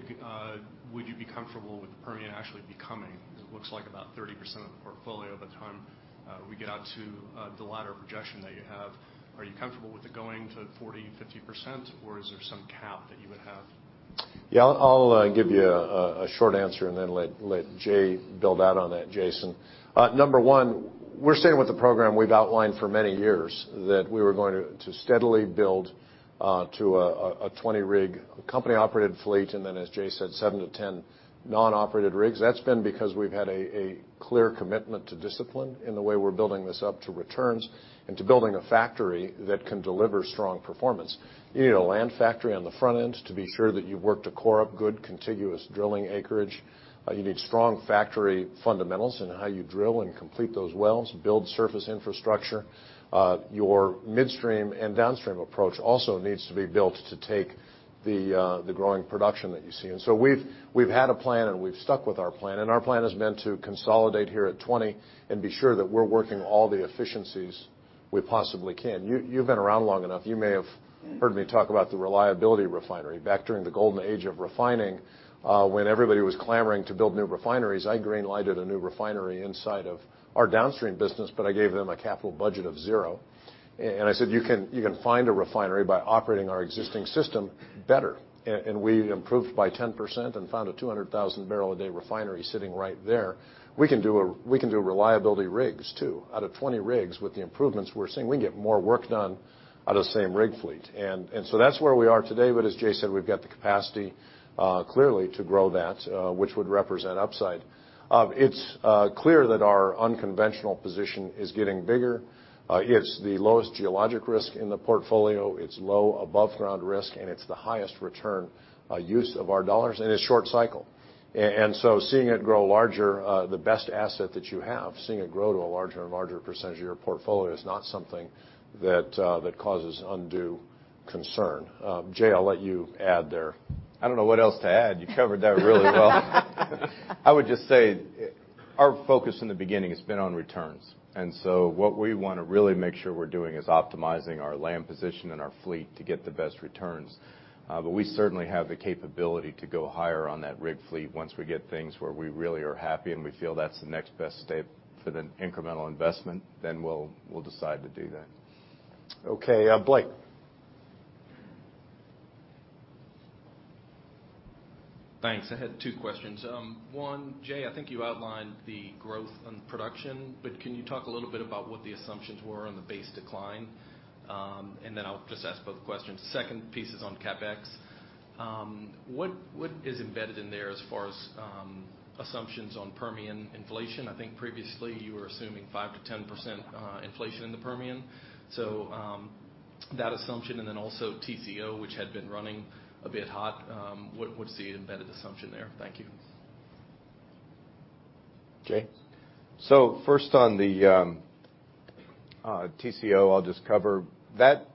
would you be comfortable with the Permian actually becoming? It looks like about 30% of the portfolio by the time we get out to the latter projection that you have. Are you comfortable with it going to 40%, 50%, or is there some cap that you would have? Yeah. I'll give you a short answer and then let Jay build out on that, Jason. Number one, we're staying with the program we've outlined for many years, that we were going to steadily build to a 20 rig company-operated fleet, and then, as Jay said, 7-10 non-operated rigs. That's been because we've had a clear commitment to discipline in the way we're building this up to returns and to building a factory that can deliver strong performance. You need a land factory on the front end to be sure that you've worked a core up, good contiguous drilling acreage. You need strong factory fundamentals in how you drill and complete those wells, build surface infrastructure. Your midstream and downstream approach also needs to be built to take the growing production that you see. We've had a plan, and we've stuck with our plan, and our plan has been to consolidate here at 20 and be sure that we're working all the efficiencies we possibly can. You've been around long enough. You may have heard me talk about the reliability refinery back during the golden age of refining, when everybody was clamoring to build new refineries. I greenlighted a new refinery inside of our downstream business, I gave them a capital budget of zero. I said, "You can find a refinery by operating our existing system better." We improved by 10% and found a 200,000 barrel a day refinery sitting right there. We can do reliability rigs, too. Out of 20 rigs, with the improvements we're seeing, we can get more work done out of the same rig fleet. That's where we are today. As Jay said, we've got the capacity clearly to grow that, which would represent upside. It's clear that our unconventional position is getting bigger. It's the lowest geologic risk in the portfolio. It's low above-ground risk, and it's the highest return use of our dollars, and it's short cycle. Seeing it grow larger, the best asset that you have, seeing it grow to a larger and larger percentage of your portfolio is not something that causes undue concern. Jay, I'll let you add there. I don't know what else to add. You covered that really well. I would just say our focus in the beginning has been on returns. What we want to really make sure we're doing is optimizing our land position and our fleet to get the best returns. We certainly have the capability to go higher on that rig fleet once we get things where we really are happy, we feel that's the next best step for the incremental investment, we'll decide to do that. Okay. Blake. Thanks. I had two questions. One, Jay, I think you outlined the growth in production, can you talk a little bit about what the assumptions were on the base decline? I'll just ask both questions. Second piece is on CapEx. What is embedded in there as far as assumptions on Permian inflation? I think previously you were assuming 5%-10% inflation in the Permian. That assumption, also Tengizchevroil, which had been running a bit hot. What's the embedded assumption there? Thank you. Jay? First on the Tengizchevroil, I'll just cover. That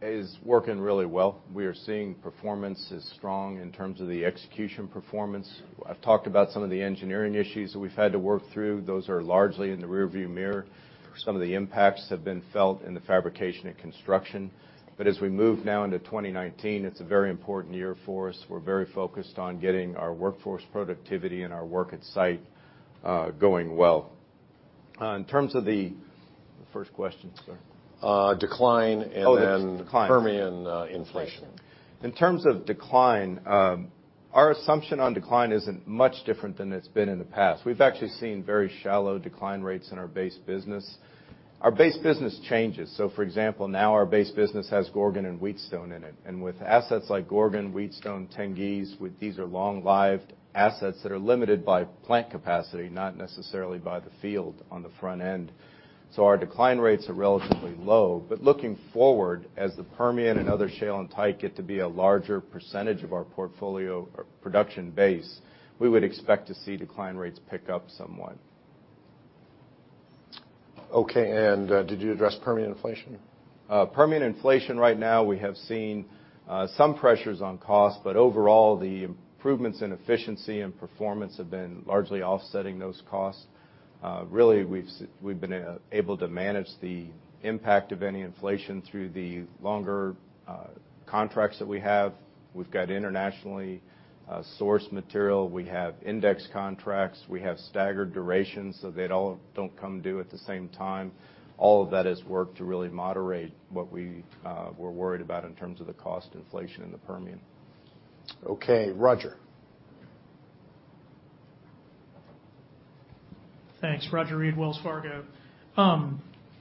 is working really well. We are seeing performance is strong in terms of the execution performance. I've talked about some of the engineering issues that we've had to work through. Those are largely in the rear view mirror. Some of the impacts have been felt in the fabrication and construction. As we move now into 2019, it's a very important year for us. We're very focused on getting our workforce productivity and our work at site going well. First question, sir? Decline. The decline. Permian inflation. In terms of decline, our assumption on decline isn't much different than it's been in the past. We've actually seen very shallow decline rates in our base business. Our base business changes. For example, now our base business has Gorgon and Wheatstone in it, and with assets like Gorgon, Wheatstone, Tengiz, these are long-lived assets that are limited by plant capacity, not necessarily by the field on the front end. Our decline rates are relatively low, but looking forward as the Permian and other shale and tight get to be a larger percentage of our portfolio production base, we would expect to see decline rates pick up somewhat. Okay, did you address Permian inflation? Permian inflation right now, we have seen some pressures on cost, but overall, the improvements in efficiency and performance have been largely offsetting those costs. Really, we've been able to manage the impact of any inflation through the longer contracts that we have. We've got internationally sourced material. We have index contracts. We have staggered durations, so they all don't come due at the same time. All of that has worked to really moderate what we were worried about in terms of the cost inflation in the Permian. Okay. Roger. Thanks. Roger Read, Wells Fargo.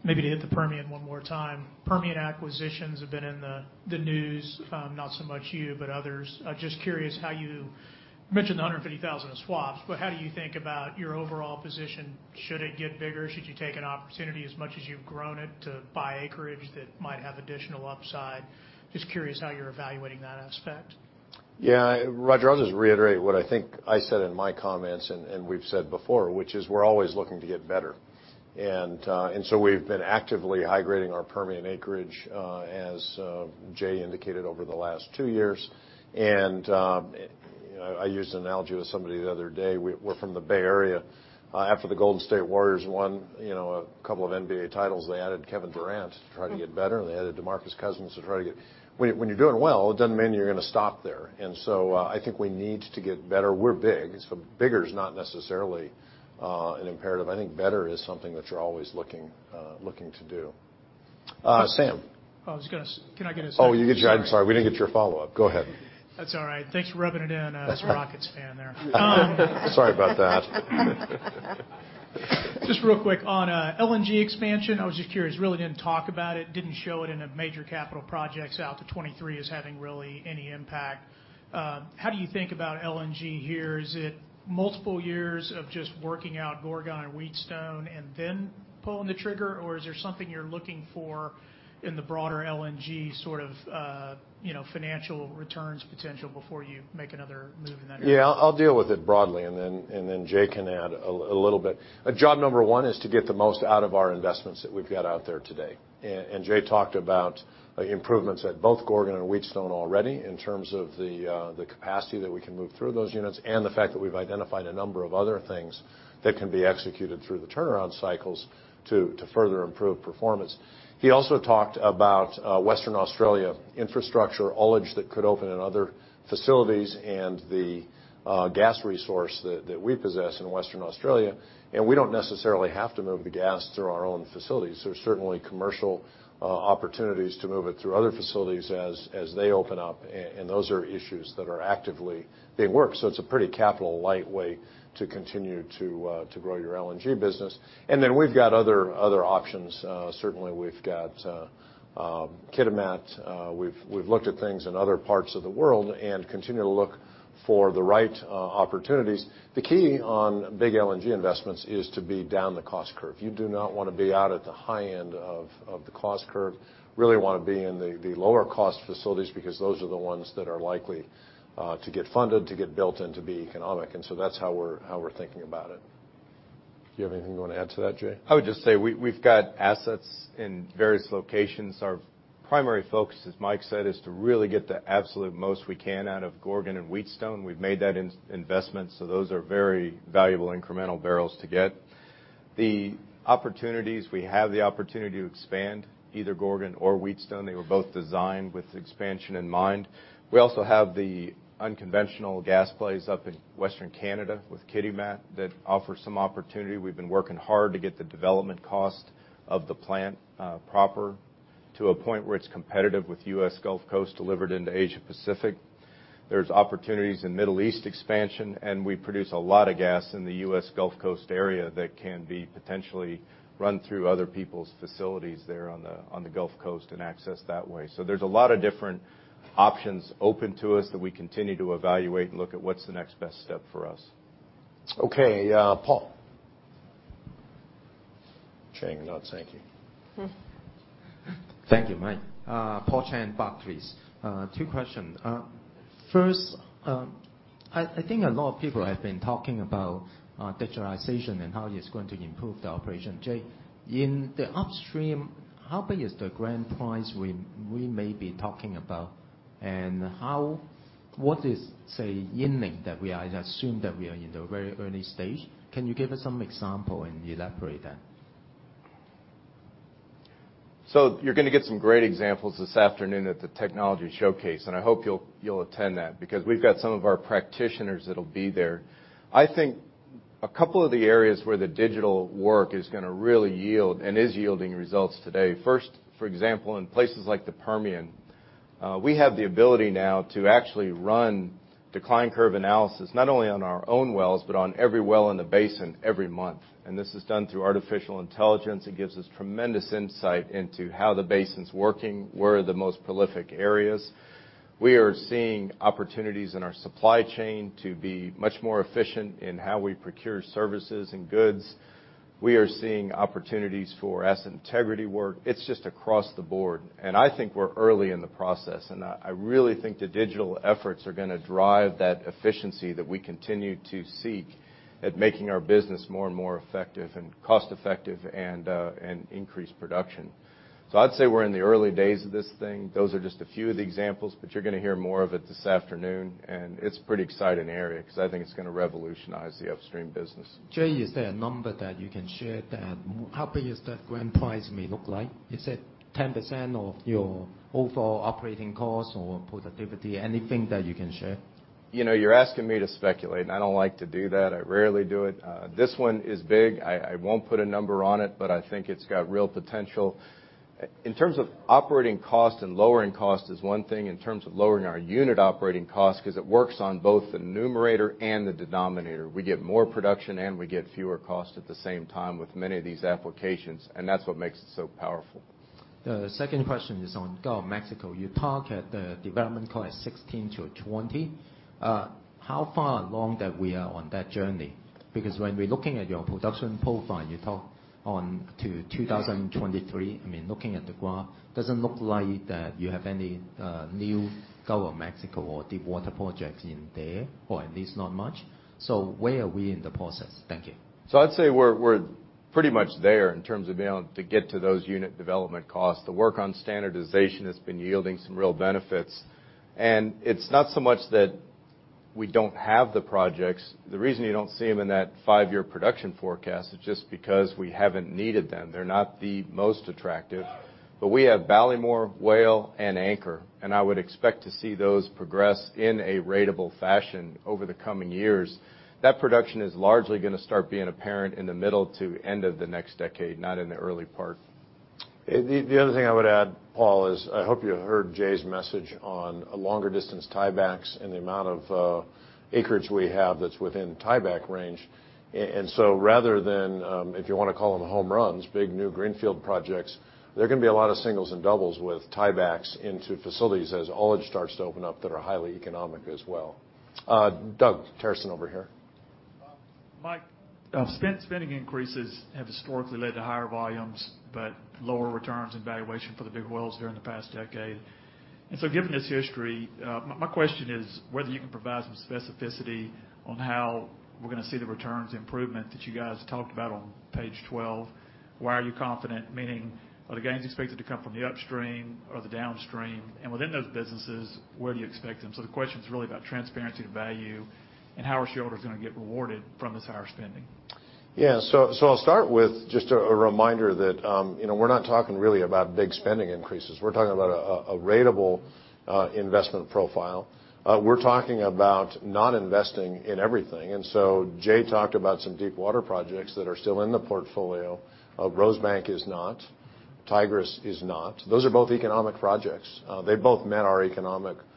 Maybe to hit the Permian one more time. Permian acquisitions have been in the news, not so much you, but others. I'm just curious how you mentioned the 150,000 of swaps, but how do you think about your overall position? Should it get bigger? Should you take an opportunity as much as you've grown it to buy acreage that might have additional upside? Just curious how you're evaluating that aspect. Yeah. Roger, I'll just reiterate what I think I said in my comments and we've said before, which is we're always looking to get better. We've been actively high-grading our Permian acreage, as Jay indicated, over the last two years. I used an analogy with somebody the other day. We're from the Bay Area. After the Golden State Warriors won a couple of NBA titles, they added Kevin Durant to try to get better, and they added DeMarcus Cousins. When you're doing well, it doesn't mean you're going to stop there. I think we need to get better. We're big, so bigger is not necessarily an imperative. I think better is something that you're always looking to do. Sam. Can I get a second? I'm sorry. We didn't get your follow-up. Go ahead. That's all right. Thanks for rubbing it in. I was a Houston Rockets fan there. Sorry about that. Just real quick on LNG expansion. I was just curious, really didn't talk about it, didn't show it in a major capital projects out to 2023 as having really any impact. How do you think about LNG here? Is it multiple years of just working out Gorgon and Wheatstone and then pulling the trigger, or is there something you're looking for in the broader LNG sort of financial returns potential before you make another move in that area? Yeah, I'll deal with it broadly, then Jay can add a little bit. Job number 1 is to get the most out of our investments that we've got out there today. Jay talked about improvements at both Gorgon and Wheatstone already in terms of the capacity that we can move through those units and the fact that we've identified a number of other things that can be executed through the turnaround cycles to further improve performance. He also talked about Western Australia infrastructure, ullage, that could open in other facilities and the gas resource that we possess in Western Australia. We don't necessarily have to move the gas through our own facilities. There's certainly commercial opportunities to move it through other facilities as they open up, and those are issues that are actively being worked. It's a pretty capital light way to continue to grow your LNG business. Then we've got other options. Certainly, we've got Kitimat. We've looked at things in other parts of the world, and continue to look for the right opportunities. The key on big LNG investments is to be down the cost curve. You do not want to be out at the high end of the cost curve. Really want to be in the lower cost facilities, because those are the ones that are likely to get funded, to get built, and to be economic. That's how we're thinking about it. Do you have anything you want to add to that, Jay? I would just say we've got assets in various locations. Our primary focus, as Mike said, is to really get the absolute most we can out of Gorgon and Wheatstone. We've made that investment, so those are very valuable incremental barrels to get. The opportunities, we have the opportunity to expand either Gorgon or Wheatstone. They were both designed with expansion in mind. We also have the unconventional gas plays up in Western Canada with Kitimat that offer some opportunity. We've been working hard to get the development cost of the plant proper to a point where it's competitive with U.S. Gulf Coast delivered into Asia Pacific. There's opportunities in Middle East expansion. We produce a lot of gas in the U.S. Gulf Coast area that can be potentially run through other people's facilities there on the Gulf Coast, and accessed that way. There's a lot of different options open to us that we continue to evaluate and look at what's the next best step for us. Okay. Paul Cheng note, thank you. Thank you, Mike. Paul Cheng, Barclays. Two questions. First, I think a lot of people have been talking about digitalization and how it's going to improve the operation. Jay, in the upstream, how big is the grand prize we may be talking about? What is, say, inning that we are? I assume that we are in the very early stage. Can you give us some example and elaborate that? You're going to get some great examples this afternoon at the technology showcase. I hope you'll attend that because we've got some of our practitioners that'll be there. A couple of the areas where the digital work is going to really yield and is yielding results today. First, for example, in places like the Permian, we have the ability now to actually run decline curve analysis not only on our own wells, but on every well in the basin every month. This is done through artificial intelligence. It gives us tremendous insight into how the basin's working, where are the most prolific areas. We are seeing opportunities in our supply chain to be much more efficient in how we procure services and goods. We are seeing opportunities for asset integrity work. It's just across the board. I think we're early in the process. I really think the digital efforts are going to drive that efficiency that we continue to seek at making our business more and more effective and cost effective and increase production. I'd say we're in the early days of this thing. Those are just a few of the examples, you're going to hear more of it this afternoon. It's pretty exciting area because I think it's going to revolutionize the upstream business. Jay, is there a number that you can share that how big is that grand prize may look like? Is it 10% of your overall operating cost or productivity? Anything that you can share? You're asking me to speculate. I don't like to do that. I rarely do it. This one is big. I won't put a number on it, I think it's got real potential. In terms of operating cost and lowering cost is one thing in terms of lowering our unit operating cost because it works on both the numerator and the denominator. We get more production, we get fewer costs at the same time with many of these applications. That's what makes it so powerful. The second question is on Gulf of Mexico. You target the development cost $16-$20. How far along that we are on that journey? Because when we're looking at your production profile, you talk on to 2023. Looking at the graph, doesn't look like that you have any new Gulf of Mexico or deepwater projects in there, or at least not much. Where are we in the process? Thank you. I'd say we're pretty much there in terms of being able to get to those unit development costs. The work on standardization has been yielding some real benefits. It's not so much that we don't have the projects. The reason you don't see them in that five-year production forecast is just because we haven't needed them. They're not the most attractive. We have Ballymore, Whale, and Anchor, and I would expect to see those progress in a ratable fashion over the coming years. That production is largely going to start being apparent in the middle to end of the next decade, not in the early part. The other thing I would add, Paul, is I hope you heard Jay's message on longer distance tiebacks and the amount of acreage we have that's within tieback range. Rather than if you want to call them home runs, big new greenfield projects, there are going to be a lot of singles and doubles with tiebacks into facilities as all it starts to open up that are highly economic as well. Doug Terreson over here. Mike, spending increases have historically led to higher volumes, but lower returns and valuation for the big wells during the past decade. Given this history, my question is whether you can provide some specificity on how we're going to see the returns improvement that you guys talked about on page 12. Why are you confident, meaning are the gains expected to come from the upstream or the downstream? Within those businesses, where do you expect them? The question's really about transparency to value and how are shareholders going to get rewarded from this higher spending? I'll start with just a reminder that we're not talking really about big spending increases. We're talking about a ratable investment profile. We're talking about not investing in everything. Jay talked about some deep water projects that are still in the portfolio. Rosebank is not. Tigris is not. Those are both economic projects. They both met our economic thresholds.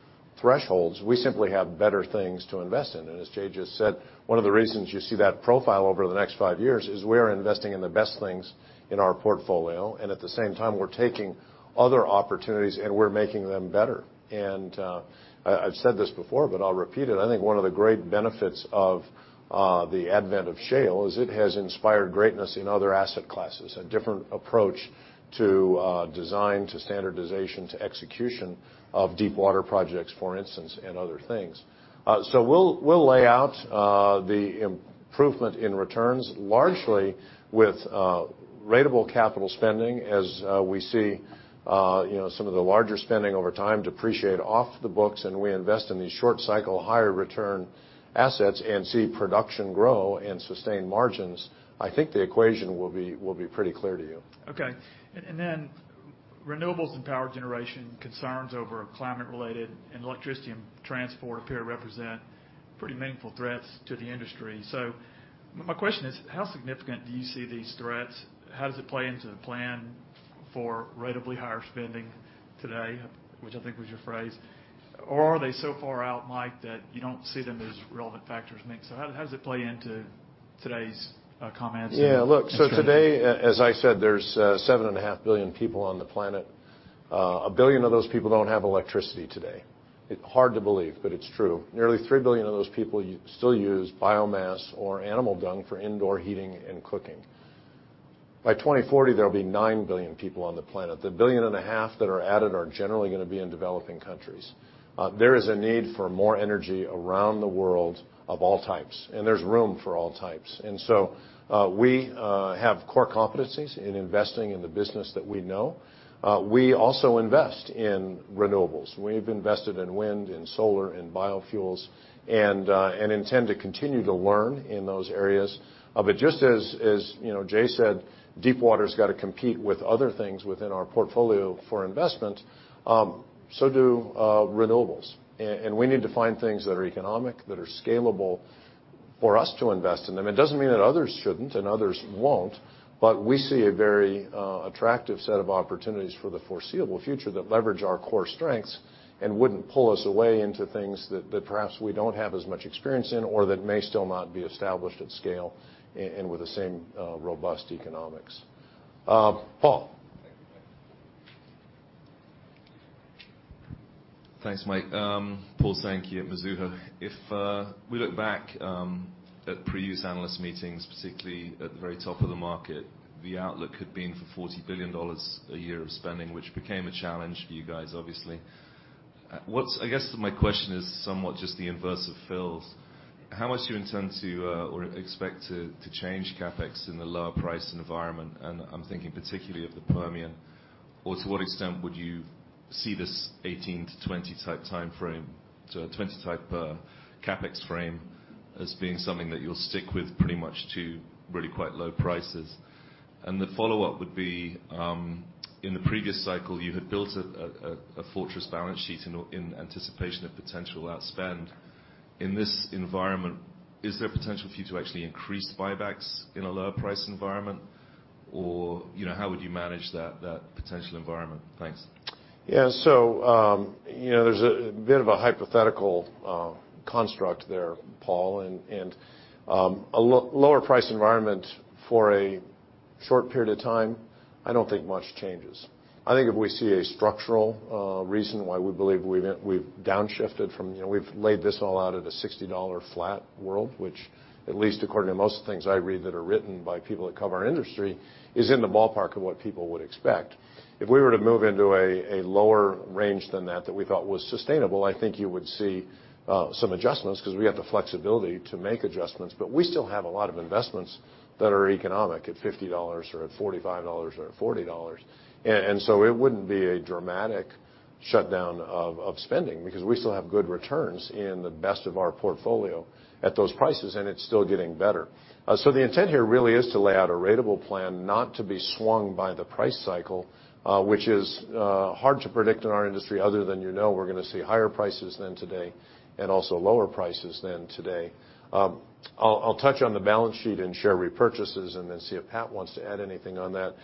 We simply have better things to invest in. As Jay just said, one of the reasons you see that profile over the next five years is we're investing in the best things in our portfolio, and at the same time, we're taking other opportunities, and we're making them better. I've said this before, but I'll repeat it. I think one of the great benefits of the advent of shale is it has inspired greatness in other asset classes, a different approach to design, to standardization, to execution of deep water projects, for instance, and other things. We'll lay out the improvement in returns largely with ratable capital spending as we see some of the larger spending over time depreciate off the books, and we invest in these short cycle, higher return assets and see production grow and sustain margins. I think the equation will be pretty clear to you. Okay. Renewables and power generation concerns over climate related and electricity and transport appear to represent pretty meaningful threats to the industry. My question is, how significant do you see these threats? How does it play into the plan for ratably higher spending today? Which I think was your phrase, or are they so far out, Mike, that you don't see them as relevant factors? How does it play into today's comments and- Yeah, look, today, as I said, there's seven and a half billion people on the planet. A billion of those people don't have electricity today. It's hard to believe, but it's true. Nearly three billion of those people still use biomass or animal dung for indoor heating and cooking. By 2040, there'll be nine billion people on the planet. The billion and a half that are added are generally gonna be in developing countries. There is a need for more energy around the world of all types, and there's room for all types. We have core competencies in investing in the business that we know. We also invest in renewables. We've invested in wind, in solar, in biofuels and intend to continue to learn in those areas. Just as Jay said, deep water's got to compete with other things within our portfolio for investment, so do renewables. We need to find things that are economic, that are scalable for us to invest in them. It doesn't mean that others shouldn't and others won't, we see a very attractive set of opportunities for the foreseeable future that leverage our core strengths and wouldn't pull us away into things that perhaps we don't have as much experience in or that may still not be established at scale and with the same robust economics. Paul. Thanks, Mike. Paul Sankey at Mizuho. We look back at previous analyst meetings, particularly at the very top of the market, the outlook had been for $40 billion a year of spending, which became a challenge for you guys, obviously. I guess my question is somewhat just the inverse of Phil's. How much do you intend to or expect to change CapEx in the lower price environment? I'm thinking particularly of the Permian, or to what extent would you see this 18 to 20 type CapEx frame as being something that you'll stick with pretty much to really quite low prices? The follow-up would be in the previous cycle, you had built a fortress balance sheet in anticipation of potential outspend. In this environment, is there potential for you to actually increase buybacks in a lower price environment or how would you manage that potential environment? Thanks. Yeah. There's a bit of a hypothetical construct there, Paul. A lower price environment for a short period of time, I don't think much changes. If we see a structural reason why we believe we've downshifted. We've laid this all out at a $60 flat world, which at least according to most things I read that are written by people that cover our industry, is in the ballpark of what people would expect. If we were to move into a lower range than that that we thought was sustainable, I think you would see some adjustments because we have the flexibility to make adjustments. We still have a lot of investments that are economic at $50 or at $45 or at $40. It wouldn't be a dramatic shutdown of spending because we still have good returns in the best of our portfolio at those prices, and it's still getting better. The intent here really is to lay out a ratable plan, not to be swung by the price cycle, which is hard to predict in our industry other than you know we're gonna see higher prices than today and also lower prices than today. I'll touch on the balance sheet and share repurchases and then see if Pat wants to add anything on that.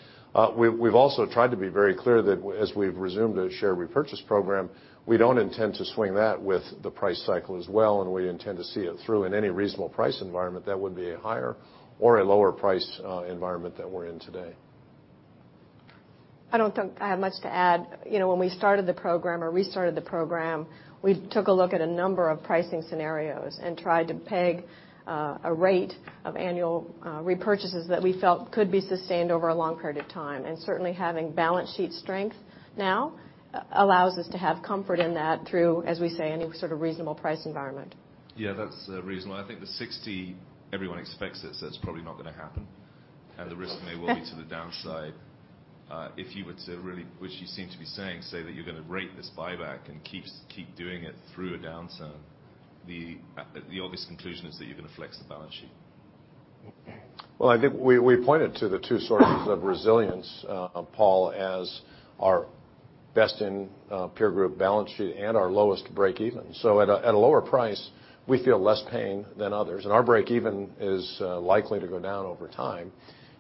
We've also tried to be very clear that as we've resumed a share repurchase program, we don't intend to swing that with the price cycle as well, and we intend to see it through in any reasonable price environment that would be a higher or a lower price environment than we're in today. I don't think I have much to add. When we started the program or restarted the program, we took a look at a number of pricing scenarios and tried to peg a rate of annual repurchases that we felt could be sustained over a long period of time. Certainly, having balance sheet strength now allows us to have comfort in that through, as we say, any sort of reasonable price environment. Yeah, that's reasonable. I think the $60, everyone expects it, so it's probably not going to happen. The risk may well be to the downside. If you were to really, which you seem to be saying, say that you're going to rate this buyback and keep doing it through a downturn, the obvious conclusion is that you're going to flex the balance sheet. Well, I think we pointed to the two sources of resilience, Paul, as our best in peer group balance sheet and our lowest breakeven. At a lower price, we feel less pain than others, and our breakeven is likely to go down over time.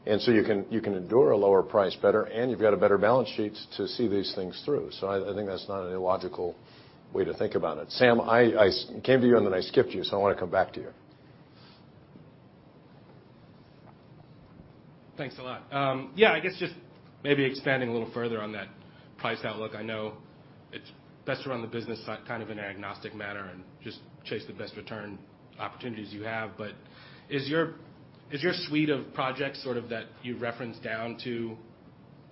You can endure a lower price better, and you've got a better balance sheet to see these things through. I think that's not an illogical way to think about it. Sam, I came to you and then I skipped you, I want to come back to you. Thanks a lot. Yeah, I guess just maybe expanding a little further on that price outlook. I know it's best to run the business kind of in an agnostic manner and just chase the best return opportunities you have. Is your suite of projects sort of that you referenced down to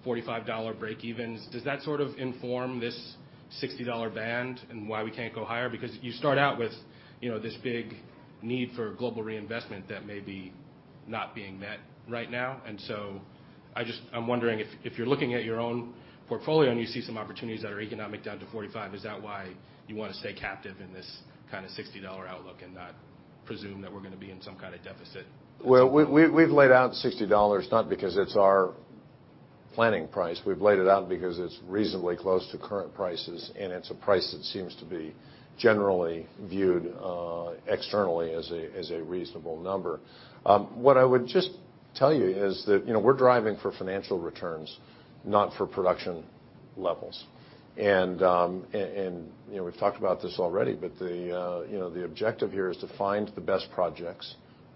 $45 breakevens, does that sort of inform this $60 band and why we can't go higher? Because you start out with this big need for global reinvestment that may be not being met right now. I'm wondering if you're looking at your own portfolio and you see some opportunities that are economic down to $45, is that why you want to stay captive in this kind of $60 outlook and not presume that we're going to be in some kind of deficit? Well, we've laid out $60, not because it's our planning price. We've laid it out because it's reasonably close to current prices. It's a price that seems to be generally viewed externally as a reasonable number. What I would just tell you is that we're driving for financial returns, not for production levels. We've talked about this already. The objective here is to find the best projects,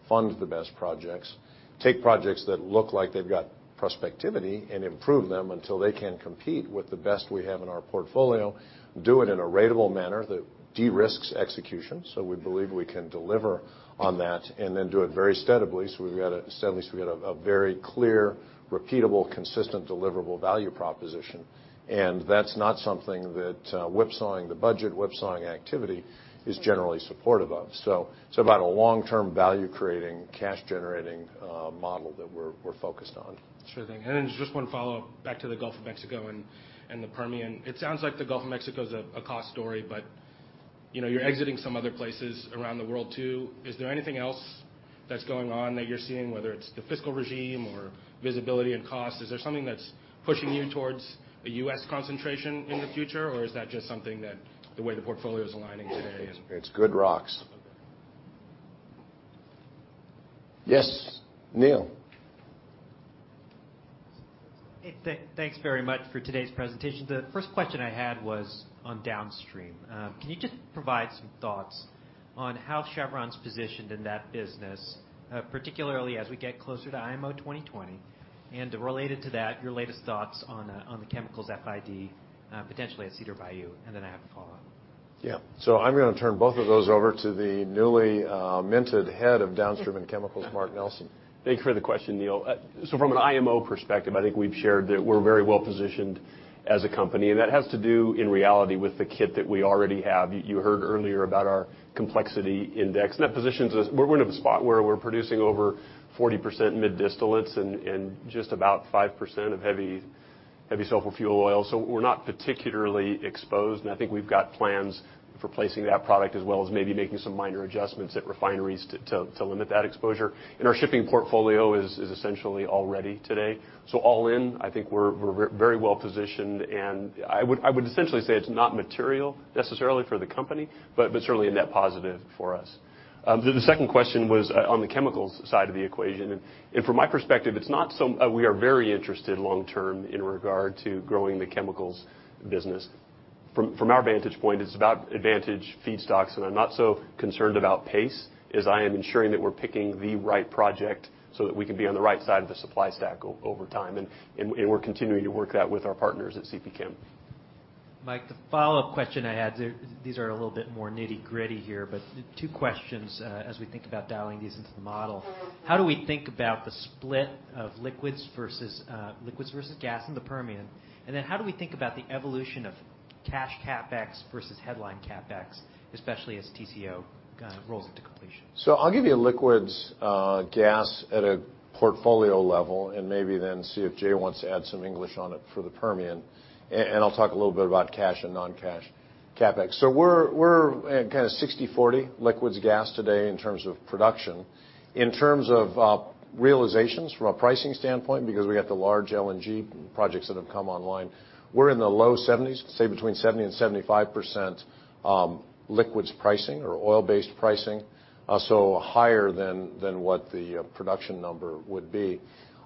fund the best projects, take projects that look like they've got prospectivity and improve them until they can compete with the best we have in our portfolio, do it in a ratable manner that de-risks execution. We believe we can deliver on that, do it very steadily. We've got a very clear, repeatable, consistent, deliverable value proposition. That's not something that whipsawing the budget, whipsawing activity is generally supportive of. It's about a long-term value creating, cash generating model that we're focused on. Sure thing. Just one follow-up back to the Gulf of Mexico and the Permian. It sounds like the Gulf of Mexico is a cost story. You're exiting some other places around the world too. Is there anything else that's going on that you're seeing, whether it's the fiscal regime or visibility and cost? Is there something that's pushing you towards a U.S. concentration in the future? Is that just something that the way the portfolio is aligning today and- It's good rocks. Yes, Neil. Hey, thanks very much for today's presentation. The first question I had was on downstream. Can you just provide some thoughts on how Chevron's positioned in that business, particularly as we get closer to IMO 2020, and related to that, your latest thoughts on the chemicals FID potentially at Cedar Bayou, and then I have a follow-up. Yeah. I'm going to turn both of those over to the newly minted head of downstream and chemicals, Mark Nelson. Thanks for the question, Neil. From an IMO perspective, I think we've shared that we're very well-positioned as a company, and that has to do in reality with the kit that we already have. You heard earlier about our complexity index, we're in a spot where we're producing over 40% mid distillates and just about 5% of heavy sulfur fuel oil. We're not particularly exposed, and I think we've got plans for placing that product as well as maybe making some minor adjustments at refineries to limit that exposure. Our shipping portfolio is essentially all ready today. All in, I think we're very well-positioned, and I would essentially say it's not material necessarily for the company, but certainly a net positive for us. The second question was on the chemicals side of the equation. From my perspective, we are very interested long term in regard to growing the chemicals business. From our vantage point, it's about advantage feedstocks, and I'm not so concerned about pace as I am ensuring that we're picking the right project so that we can be on the right side of the supply stack over time. We're continuing to work that with our partners at CP Chem. Mike, the follow-up question I had, these are a little bit more nitty-gritty here, but two questions as we think about dialing these into the model. How do we think about the split of liquids versus gas in the Permian? How do we think about the evolution of cash CapEx versus headline CapEx, especially as Tengizchevroil rolls into completion? I'll give you a liquids gas at a portfolio level and maybe then see if Jay wants to add some English on it for the Permian. I'll talk a little bit about cash and non-cash CapEx. We're kind of 60/40 liquids gas today in terms of production. In terms of realizations from a pricing standpoint, because we got the large LNG projects that have come online, we're in the low 70s, say between 70%-75% liquids pricing or oil-based pricing, so higher than what the production number would be.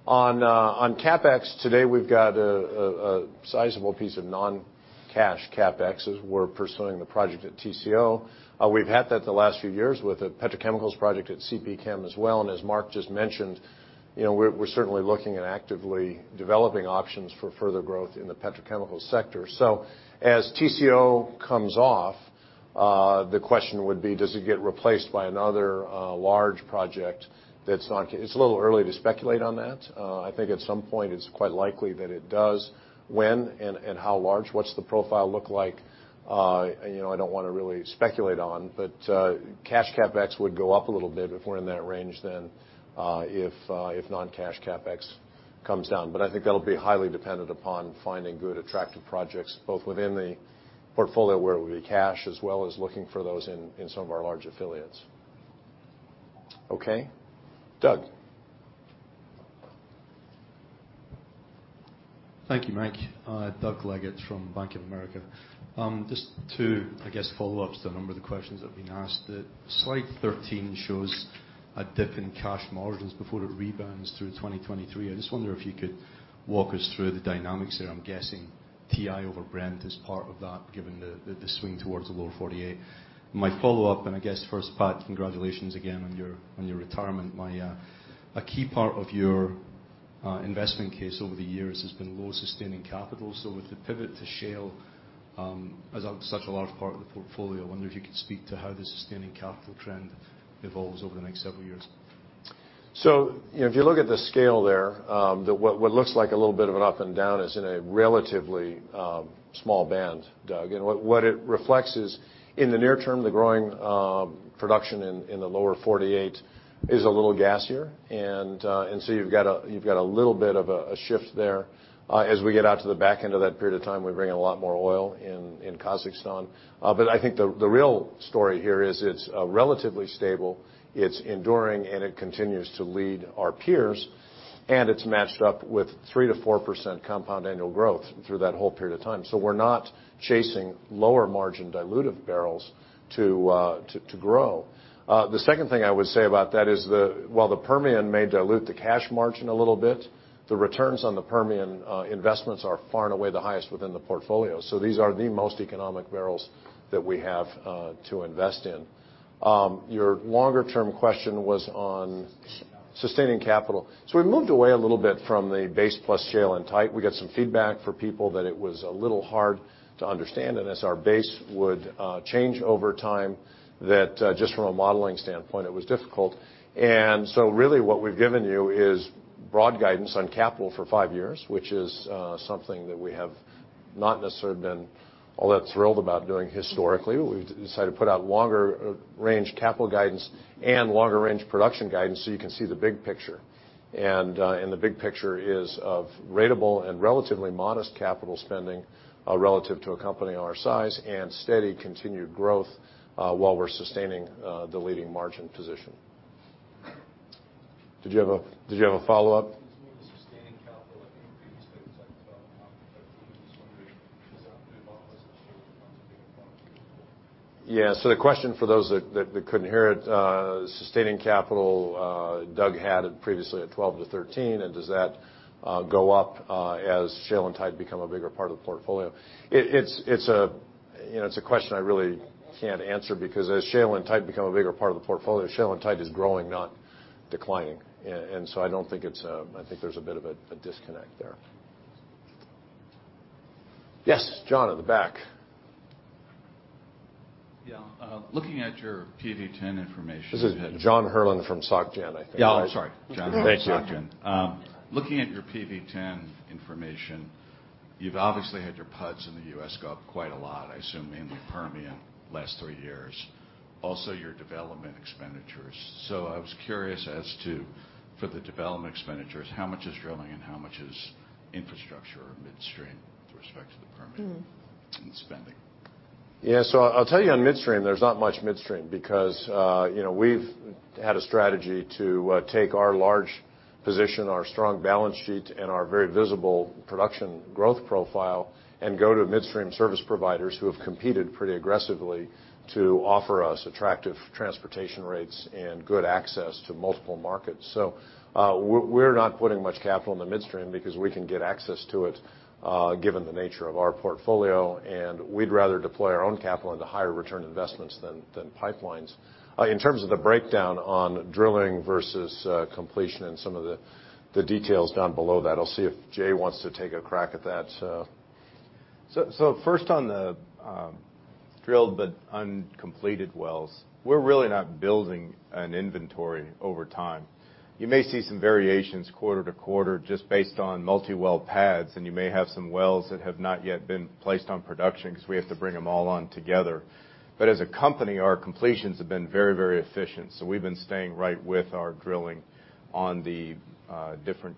On CapEx today, we've got a sizable piece of non-cash CapEx as we're pursuing the project at TCO. We've had that the last few years with a petrochemicals project at CP Chem as well. As Mark just mentioned, we're certainly looking and actively developing options for further growth in the petrochemical sector. As TCO comes off. The question would be, does it get replaced by another large project? It's a little early to speculate on that. I think at some point it's quite likely that it does. When and how large, what's the profile look like? I don't want to really speculate on, cash CapEx would go up a little bit if we're in that range if non-cash CapEx comes down. I think that'll be highly dependent upon finding good attractive projects both within the portfolio where it would be cash, as well as looking for those in some of our large affiliates. Okay, Doug. Thank you, Mike. Doug Leggate from Bank of America. Just two follow-ups to a number of the questions that have been asked. Slide 13 shows a dip in cash margins before it rebounds through 2023. I just wonder if you could walk us through the dynamics there. I'm guessing TI over Brent is part of that, given the swing towards the Lower 48. My follow-up, first, Pat, congratulations again on your retirement. A key part of your investment case over the years has been low sustaining capital. With the pivot to shale as such a large part of the portfolio, I wonder if you could speak to how the sustaining capital trend evolves over the next several years. If you look at the scale there, what looks like a little bit of an up and down is in a relatively small band, Doug. What it reflects is in the near term, the growing production in the Lower 48 is a little gasier. You've got a little bit of a shift there. As we get out to the back end of that period of time, we bring a lot more oil in Kazakhstan. I think the real story here is it's relatively stable, it's enduring, and it continues to lead our peers, and it's matched up with 3%-4% compound annual growth through that whole period of time. We're not chasing lower margin dilutive barrels to grow. The second thing I would say about that is that while the Permian may dilute the cash margin a little bit, the returns on the Permian investments are far and away the highest within the portfolio. These are the most economic barrels that we have to invest in. Your longer-term question was on sustaining capital. We've moved away a little bit from the base plus shale and tight. We got some feedback for people that it was a little hard to understand, and as our base would change over time, that just from a modeling standpoint, it was difficult. Really what we've given you is broad guidance on capital for 5 years, which is something that we have not necessarily been all that thrilled about doing historically. We've decided to put out longer range capital guidance and longer range production guidance, so you can see the big picture. The big picture is of ratable and relatively modest capital spending relative to a company our size and steady continued growth while we're sustaining the leading margin position. Did you have a follow-up? Sustaining capital, I think previously it was like 12. I was wondering, does that move up as shale becomes a bigger part of the portfolio? The question for those that couldn't hear it, sustaining capital, Doug had it previously at 12-13, does that go up as shale and type become a bigger part of the portfolio? It's a question I really can't answer because as shale and type become a bigger part of the portfolio, shale and type is growing, not declining. I think there's a bit of a disconnect there. Yes, John in the back. Looking at your PV-10 information- This is John Herrlin from Société Générale, I think. I'm sorry, John from Société Générale. Thank you. Looking at your PV-10 information, you've obviously had your pads in the U.S. go up quite a lot, I assume mainly Permian last 3 years. Also your development expenditures. I was curious as to, for the development expenditures, how much is drilling and how much is infrastructure or midstream with respect to the Permian in spending? Yeah. I'll tell you on midstream, there's not much midstream because we've had a strategy to take our large position, our strong balance sheet, and our very visible production growth profile and go to midstream service providers who have competed pretty aggressively to offer us attractive transportation rates and good access to multiple markets. We're not putting much capital in the midstream because we can get access to it given the nature of our portfolio, and we'd rather deploy our own capital into higher return investments than pipelines. In terms of the breakdown on drilling versus completion and some of the details down below that, I'll see if Jay wants to take a crack at that. First on the drilled but uncompleted wells. We're really not building an inventory over time. You may see some variations quarter to quarter just based on multi-well pads, and you may have some wells that have not yet been placed on production because we have to bring them all on together. As a company, our completions have been very efficient. We've been staying right with our drilling on the different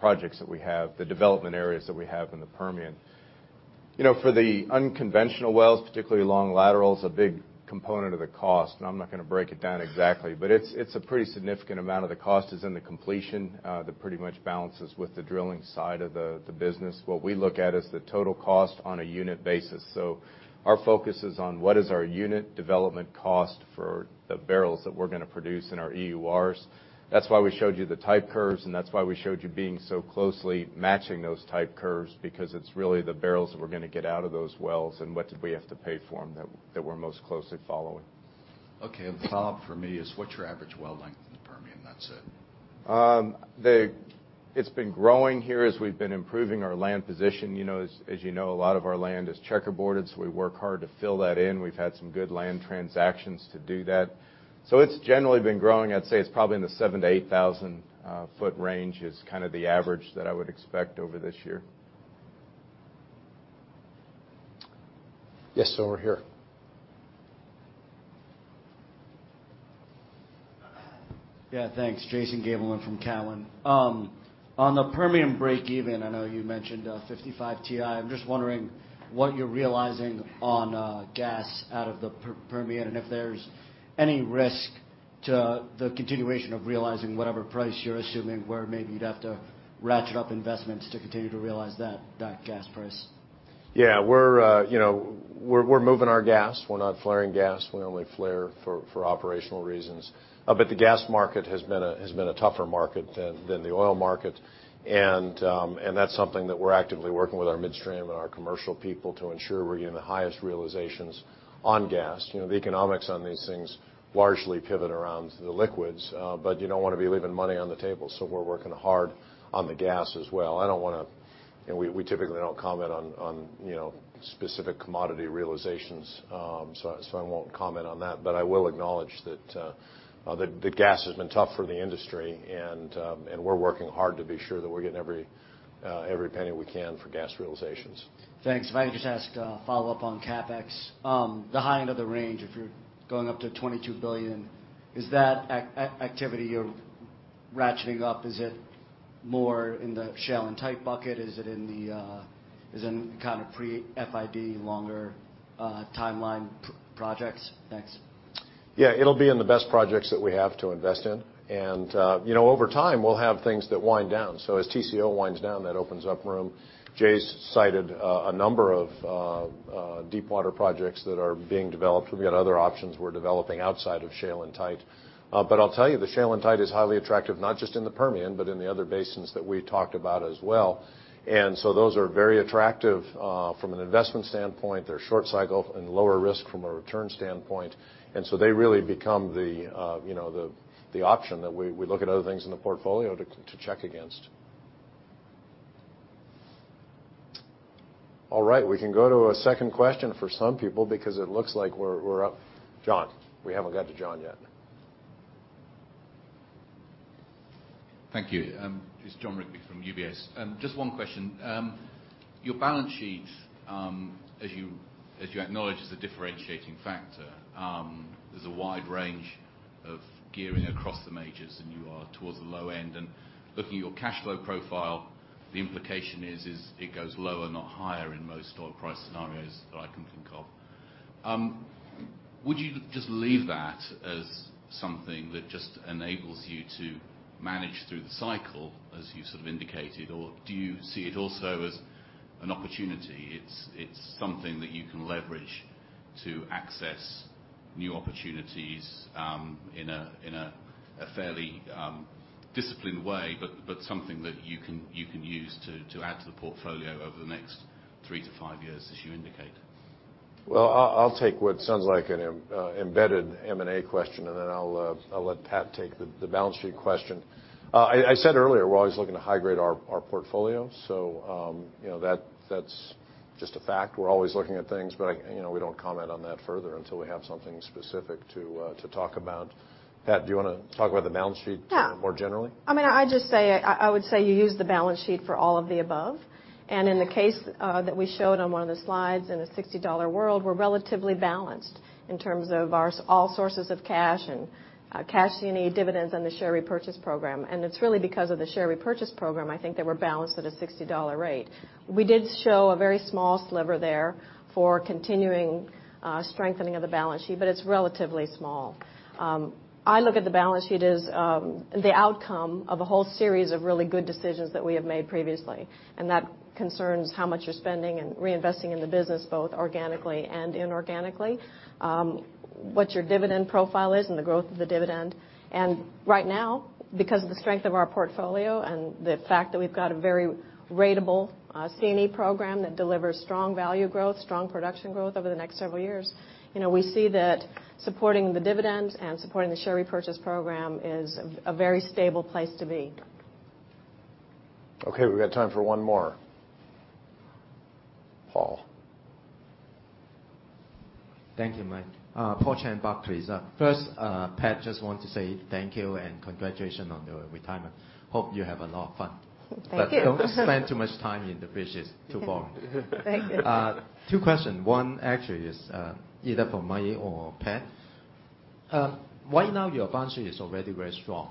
projects that we have, the development areas that we have in the Permian. For the unconventional wells, particularly long laterals, a big component of the cost, and I'm not going to break it down exactly, but it's a pretty significant amount of the cost is in the completion that pretty much balances with the drilling side of the business. What we look at is the total cost on a unit basis. Our focus is on what is our unit development cost for the barrels that we're going to produce in our EURs. That's why we showed you the type curves, and that's why we showed you being so closely matching those type curves because it's really the barrels that we're going to get out of those wells and what did we have to pay for them that we're most closely following. Okay. Follow-up for me is what's your average well length in the Permian? That's it. It's been growing here as we've been improving our land position. As you know, a lot of our land is checkerboarded, so we work hard to fill that in. We've had some good land transactions to do that. It's generally been growing. I'd say it's probably in the 7,000 to 8,000 foot range is kind of the average that I would expect over this year. Yes, sir. Over here. Yeah, thanks. Jason Gabelman from Cowen. On the Permian breakeven, I know you mentioned 55 WTI. I'm just wondering what you're realizing on gas out of the Permian, if there's any risk to the continuation of realizing whatever price you're assuming, where maybe you'd have to ratchet up investments to continue to realize that gas price. Yeah. We're moving our gas. We're not flaring gas. We only flare for operational reasons. The gas market has been a tougher market than the oil market, and that's something that we're actively working with our midstream and our commercial people to ensure we're getting the highest realizations on gas. The economics on these things largely pivot around the liquids. You don't want to be leaving money on the table, so we're working hard on the gas as well. We typically don't comment on specific commodity realizations, so I won't comment on that. I will acknowledge that gas has been tough for the industry, and we're working hard to be sure that we're getting every penny we can for gas realizations. Thanks. If I could just ask a follow-up on CapEx. The high end of the range, if you're going up to $22 billion, is that activity you're ratcheting up? Is it more in the shale and tight bucket? Is it in the kind of pre-FID, longer timeline projects? Thanks. Yeah. It'll be in the best projects that we have to invest in. Over time, we'll have things that wind down. As Tengizchevroil winds down, that opens up room. Jay's cited a number of deep water projects that are being developed. We've got other options we're developing outside of shale and tight. I'll tell you, the shale and tight is highly attractive, not just in the Permian, but in the other basins that we talked about as well. Those are very attractive from an investment standpoint. They're short cycle and lower risk from a return standpoint. They really become the option that we look at other things in the portfolio to check against. All right, we can go to a second question for some people because it looks like we're up. Jon. We haven't got to Jon yet. Thank you. It's Jon Rigby from UBS. Just one question. Your balance sheet, as you acknowledge, is a differentiating factor. There's a wide range of gearing across the majors, and you are towards the low end. Looking at your cash flow profile, the implication is it goes lower, not higher in most oil price scenarios that I can think of. Would you just leave that as something that just enables you to manage through the cycle, as you sort of indicated, or do you see it also as an opportunity? It's something that you can leverage to access new opportunities in a fairly disciplined way, but something that you can use to add to the portfolio over the next three to five years as you indicate. Well, I'll take what sounds like an embedded M&A question, and then I'll let Pat take the balance sheet question. I said earlier, we're always looking to high-grade our portfolio. That's just a fact. We're always looking at things, but we don't comment on that further until we have something specific to talk about. Pat, do you want to talk about the balance sheet more generally? Yeah. I would say you use the balance sheet for all of the above. In the case that we showed on one of the slides, in a $60 world, we're relatively balanced in terms of all sources of cash and cash you need, dividends, and the share repurchase program. It's really because of the share repurchase program, I think, that we're balanced at a $60 rate. We did show a very small sliver there for continuing strengthening of the balance sheet, but it's relatively small. I look at the balance sheet as the outcome of a whole series of really good decisions that we have made previously, and that concerns how much you're spending and reinvesting in the business, both organically and inorganically. What your dividend profile is and the growth of the dividend. Right now, because of the strength of our portfolio and the fact that we've got a very ratable C&E program that delivers strong value growth, strong production growth over the next several years. We see that supporting the dividend and supporting the share repurchase program is a very stable place to be. Okay. We've got time for one more. Paul. Thank you, Mike. Paul Cheng, Barclays. Pat, just want to say thank you and congratulations on your retirement. Hope you have a lot of fun. Thank you. Don't spend too much time in the beaches. It's too boring. Thank you. Two questions. One actually is either for Mike or Pat. Right now, your balance sheet is already very strong.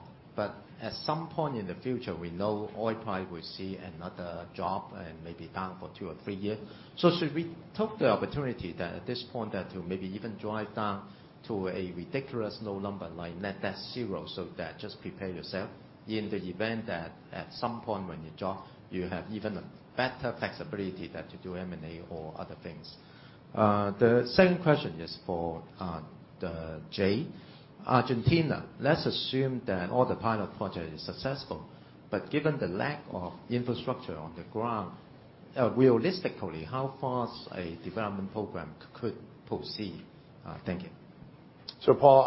At some point in the future, we know oil price will see another drop and may be down for two or three years. Should we take the opportunity that at this point that to maybe even drive down to a ridiculous low number, like net debt zero, that just prepare yourself in the event that at some point when you drop, you have even a better flexibility that to do M&A or other things? The second question is for Jay. In Argentina, let's assume that all the pilot project is successful. Given the lack of infrastructure on the ground, realistically, how fast a development program could proceed? Thank you. Paul,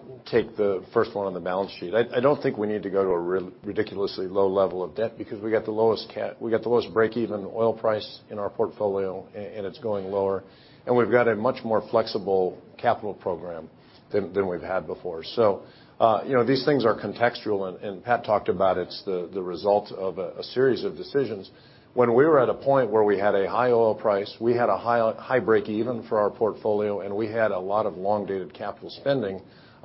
I'll take the first one on the balance sheet. I don't think we need to go to a ridiculously low level of debt because we got the lowest breakeven oil price in our portfolio, and it's going lower. We've got a much more flexible capital program than we've had before. These things are contextual, and Pat talked about it's the result of a series of decisions. When we were at a point where we had a high oil price, we had a high breakeven for our portfolio, and we had a lot of long-dated capital spending,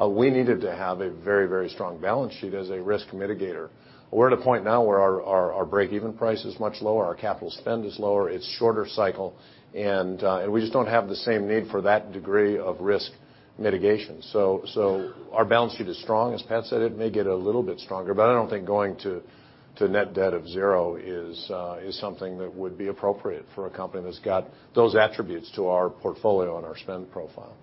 we needed to have a very, very strong balance sheet as a risk mitigator. We're at a point now where our breakeven price is much lower, our capital spend is lower, it's shorter cycle, and we just don't have the same need for that degree of risk mitigation. Our balance sheet is strong. As Pat said, it may get a little bit stronger, but I don't think going to net debt of zero is something that would be appropriate for a company that's got those attributes to our portfolio and our spend profile.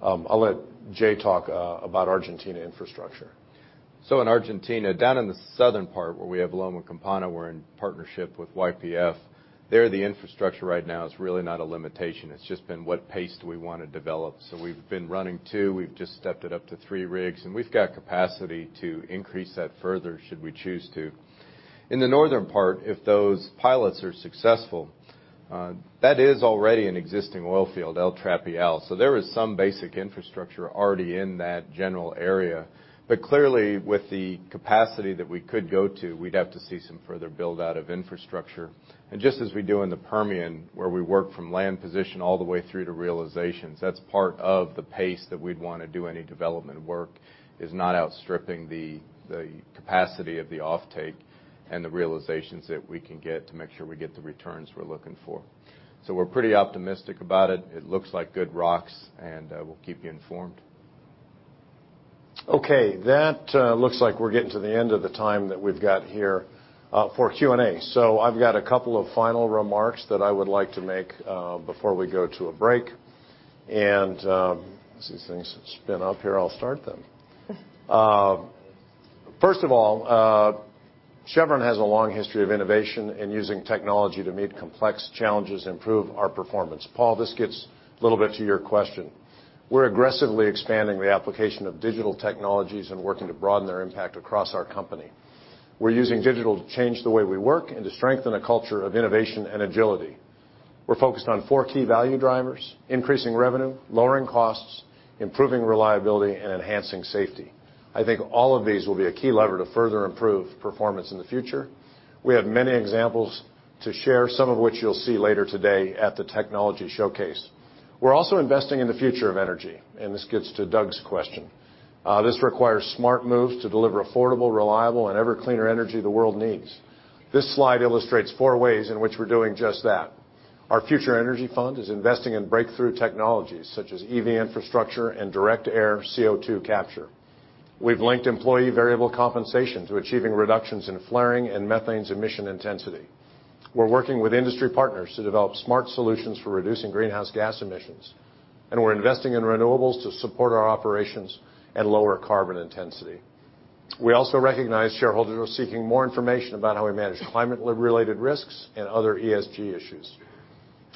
I'll let Jay talk about Argentina infrastructure. In Argentina, down in the southern part where we have Loma Campana, we're in partnership with YPF. There, the infrastructure right now is really not a limitation. It's just been what pace do we want to develop. We've been running two. We've just stepped it up to three rigs, and we've got capacity to increase that further should we choose to. In the northern part, if those pilots are successful, that is already an existing oil field, El Trapial. There is some basic infrastructure already in that general area. Clearly, with the capacity that we could go to, we'd have to see some further build-out of infrastructure. Just as we do in the Permian, where we work from land position all the way through to realizations, that is part of the pace that we would want to do any development work is not outstripping the capacity of the offtake and the realizations that we can get to make sure we get the returns we are looking for. We are pretty optimistic about it. It looks like good rocks, and we will keep you informed. Okay, that looks like we are getting to the end of the time that we have got here for Q&A. I have got a couple of final remarks that I would like to make before we go to a break. As these things spin up here, I will start then. First of all, Chevron has a long history of innovation and using technology to meet complex challenges and improve our performance. Paul, this gets a little bit to your question. We are aggressively expanding the application of digital technologies and working to broaden their impact across our company. We are using digital to change the way we work and to strengthen a culture of innovation and agility. We are focused on four key value drivers, increasing revenue, lowering costs, improving reliability, and enhancing safety. I think all of these will be a key lever to further improve performance in the future. We have many examples to share, some of which you will see later today at the technology showcase. We are also investing in the future of energy, and this gets to Doug's question. This requires smart moves to deliver affordable, reliable, and ever-cleaner energy the world needs. This slide illustrates four ways in which we are doing just that. Our Future Energy Fund is investing in breakthrough technologies, such as EV infrastructure and direct air CO2 capture. We have linked employee variable compensation to achieving reductions in flaring and methane's emission intensity. We are working with industry partners to develop smart solutions for reducing greenhouse gas emissions. We are investing in renewables to support our operations at lower carbon intensity. We also recognize shareholders are seeking more information about how we manage climate-related risks and other ESG issues.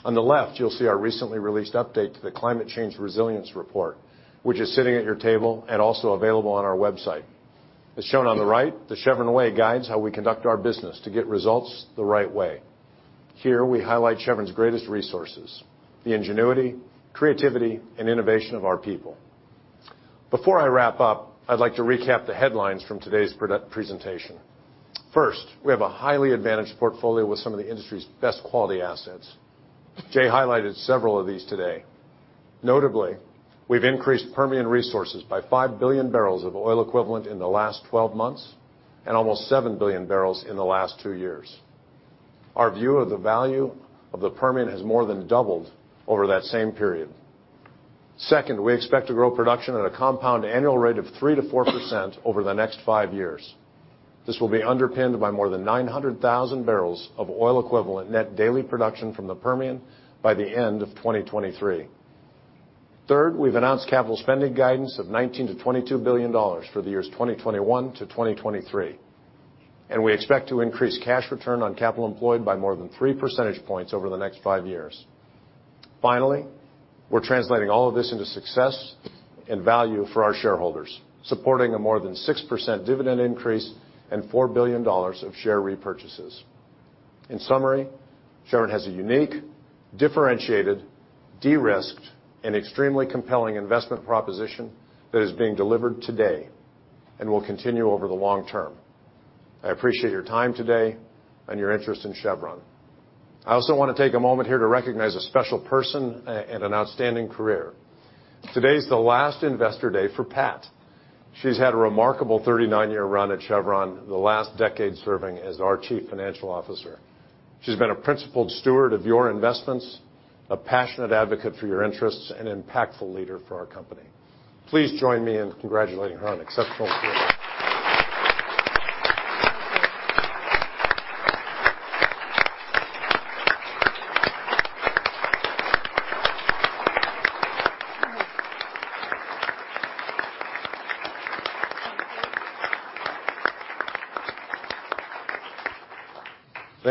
On the left, you will see our recently released update to the Climate Change Resilience Report, which is sitting at your table and also available on our website. As shown on the right, the Chevron Way guides how we conduct our business to get results the right way. Here we highlight Chevron's greatest resources, the ingenuity, creativity, and innovation of our people. Before I wrap up, I would like to recap the headlines from today's presentation. First, we have a highly advantaged portfolio with some of the industry's best quality assets. Jay highlighted several of these today. Notably, we have increased Permian resources by five billion barrels of oil equivalent in the last 12 months and almost seven billion barrels in the last two years. Our view of the value of the Permian has more than doubled over that same period. Second, we expect to grow production at a compound annual rate of 3 to 4% over the next five years. This will be underpinned by more than 900,000 barrels of oil equivalent net daily production from the Permian by the end of 2023. Third, we've announced capital spending guidance of $19 billion to $22 billion for the years 2021 to 2023, and we expect to increase cash return on capital employed by more than three percentage points over the next five years. Finally, we're translating all of this into success and value for our shareholders, supporting a more than 6% dividend increase and $4 billion of share repurchases. In summary, Chevron has a unique, differentiated, de-risked, and extremely compelling investment proposition that is being delivered today and will continue over the long term. I appreciate your time today and your interest in Chevron. I also want to take a moment here to recognize a special person and an outstanding career. Today's the last Investor Day for Pat. She's had a remarkable 39-year run at Chevron, the last decade serving as our chief financial officer. She's been a principled steward of your investments, a passionate advocate for your interests, and impactful leader for our company. Please join me in congratulating her on a successful career.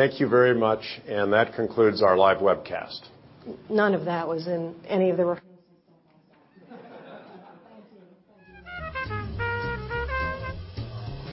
Thank you very much. That concludes our live webcast. None of that was in any of the references I was given. Thank you. Thank you.